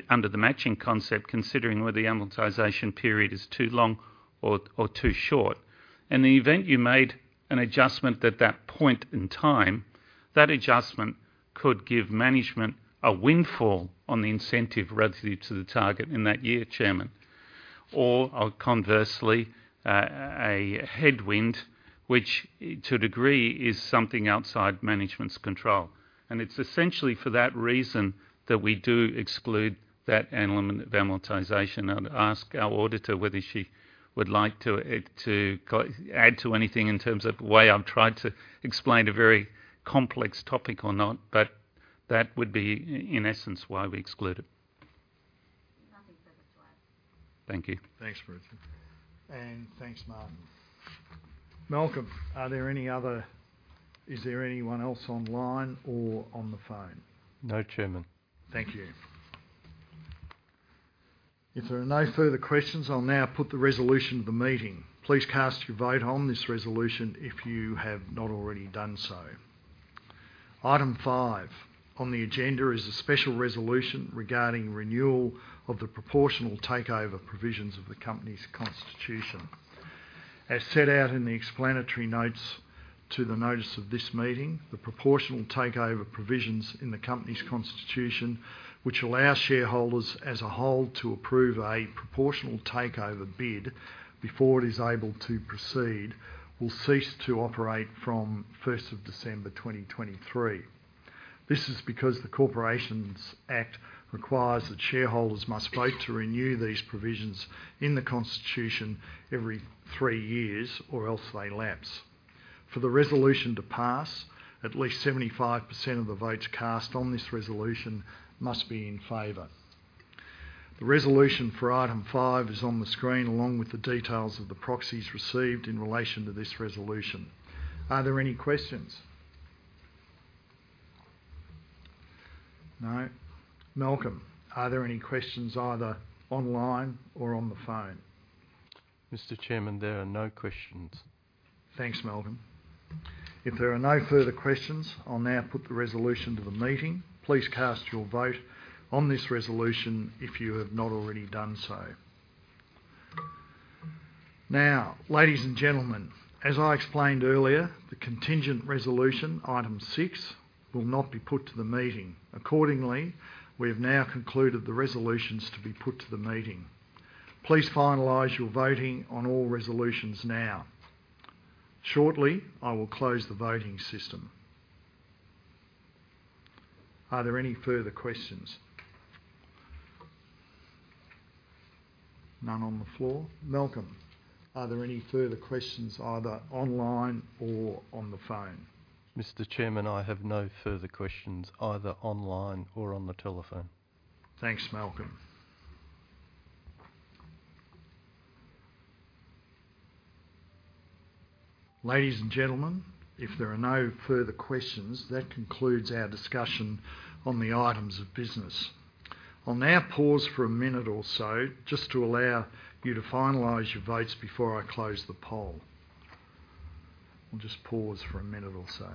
S7: under the matching concept, considering whether the amortization period is too long or too short. In the event you made an adjustment at that point in time, that adjustment could give management a windfall on the incentive relative to the target in that year, Chairman. Or, conversely, a headwind, which, to a degree, is something outside management's control. It's essentially for that reason that we do exclude that element of amortization. I'll ask our auditor whether she would like to add to anything in terms of the way I've tried to explain a very complex topic or not, but that would be, in essence, why we exclude it.
S6: Nothing further to add.
S7: Thank you.
S1: Thanks, Maritza, and thanks, Martin. Malcolm, are there any other. Is there anyone else online or on the phone?
S4: No, Chairman.
S1: Thank you. If there are no further questions, I'll now put the resolution to the meeting. Please cast your vote on this resolution if you have not already done so. Item 5 on the agenda is a special resolution regarding renewal of the proportional takeover provisions of the company's constitution. As set out in the explanatory notes to the notice of this meeting, the proportional takeover provisions in the company's constitution, which allow shareholders as a whole to approve a proportional takeover bid before it is able to proceed, will cease to operate from first of December, 2023. This is because the Corporations Act requires that shareholders must vote to renew these provisions in the constitution every 3 years, or else they lapse. For the resolution to pass, at least 75% of the votes cast on this resolution must be in favor. The resolution for item five is on the screen, along with the details of the proxies received in relation to this resolution. Are there any questions? No. Malcolm, are there any questions either online or on the phone?
S4: Mr. Chairman, there are no questions.
S1: Thanks, Malcolm. If there are no further questions, I'll now put the resolution to the meeting. Please cast your vote on this resolution if you have not already done so. Now, ladies and gentlemen, as I explained earlier, the contingent resolution, item six, will not be put to the meeting. Accordingly, we have now concluded the resolutions to be put to the meeting. Please finalize your voting on all resolutions now. Shortly, I will close the voting system. Are there any further questions? None on the floor. Malcolm, are there any further questions either online or on the phone?
S4: Mr. Chairman, I have no further questions either online or on the telephone.
S1: Thanks, Malcolm. Ladies and gentlemen, if there are no further questions, that concludes our discussion on the items of business. I'll now pause for a minute or so just to allow you to finalize your votes before I close the poll. We'll just pause for a minute or so.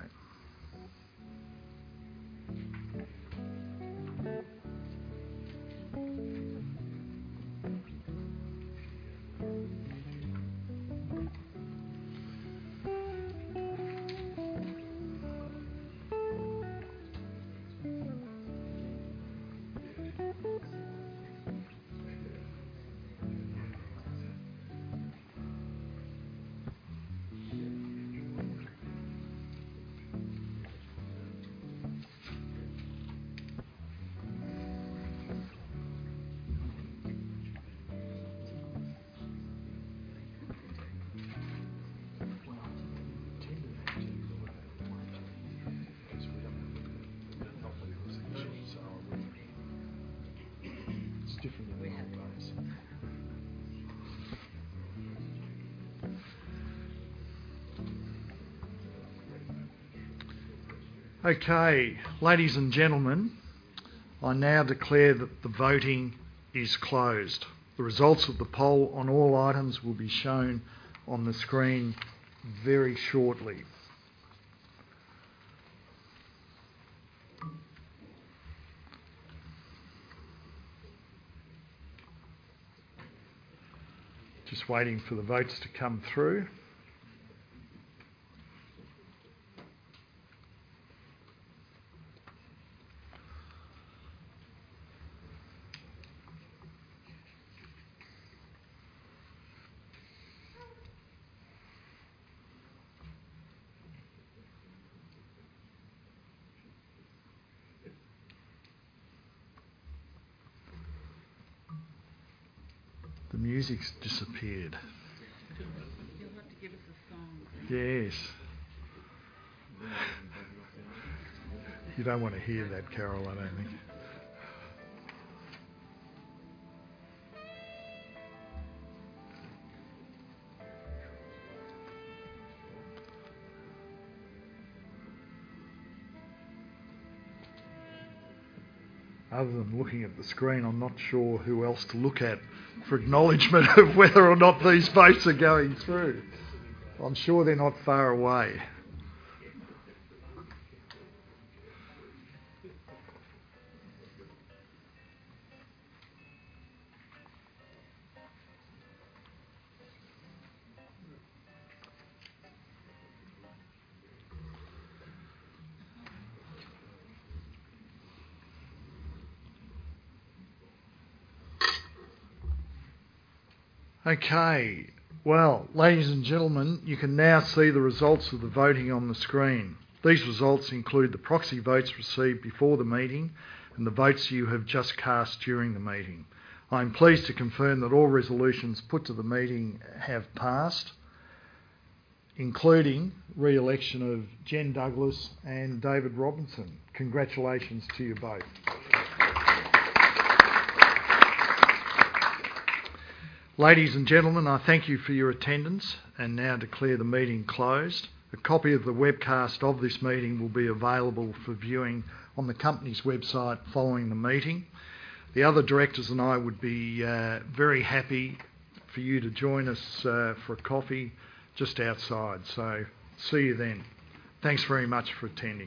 S1: Okay, ladies and gentlemen, I now declare that the voting is closed. The results of the poll on all items will be shown on the screen very shortly. Just waiting for the votes to come through. The music's disappeared.
S3: You'll have to give us a song.
S1: Yes. You don't want to hear that Carol, I don't think. Other than looking at the screen, I'm not sure who else to look at for acknowledgement of whether or not these votes are going through. I'm sure they're not far away. Okay, well, ladies and gentlemen, you can now see the results of the voting on the screen. These results include the proxy votes received before the meeting and the votes you have just cast during the meeting. I'm pleased to confirm that all resolutions put to the meeting have passed, including re-election of Jen Douglas and David Robinson. Congratulations to you both. Ladies and gentlemen, I thank you for your attendance and now declare the meeting closed. A copy of the webcast of this meeting will be available for viewing on the company's website following the meeting. The other directors and I would be very happy for you to join us for a coffee just outside. So see you then. Thanks very much for attending.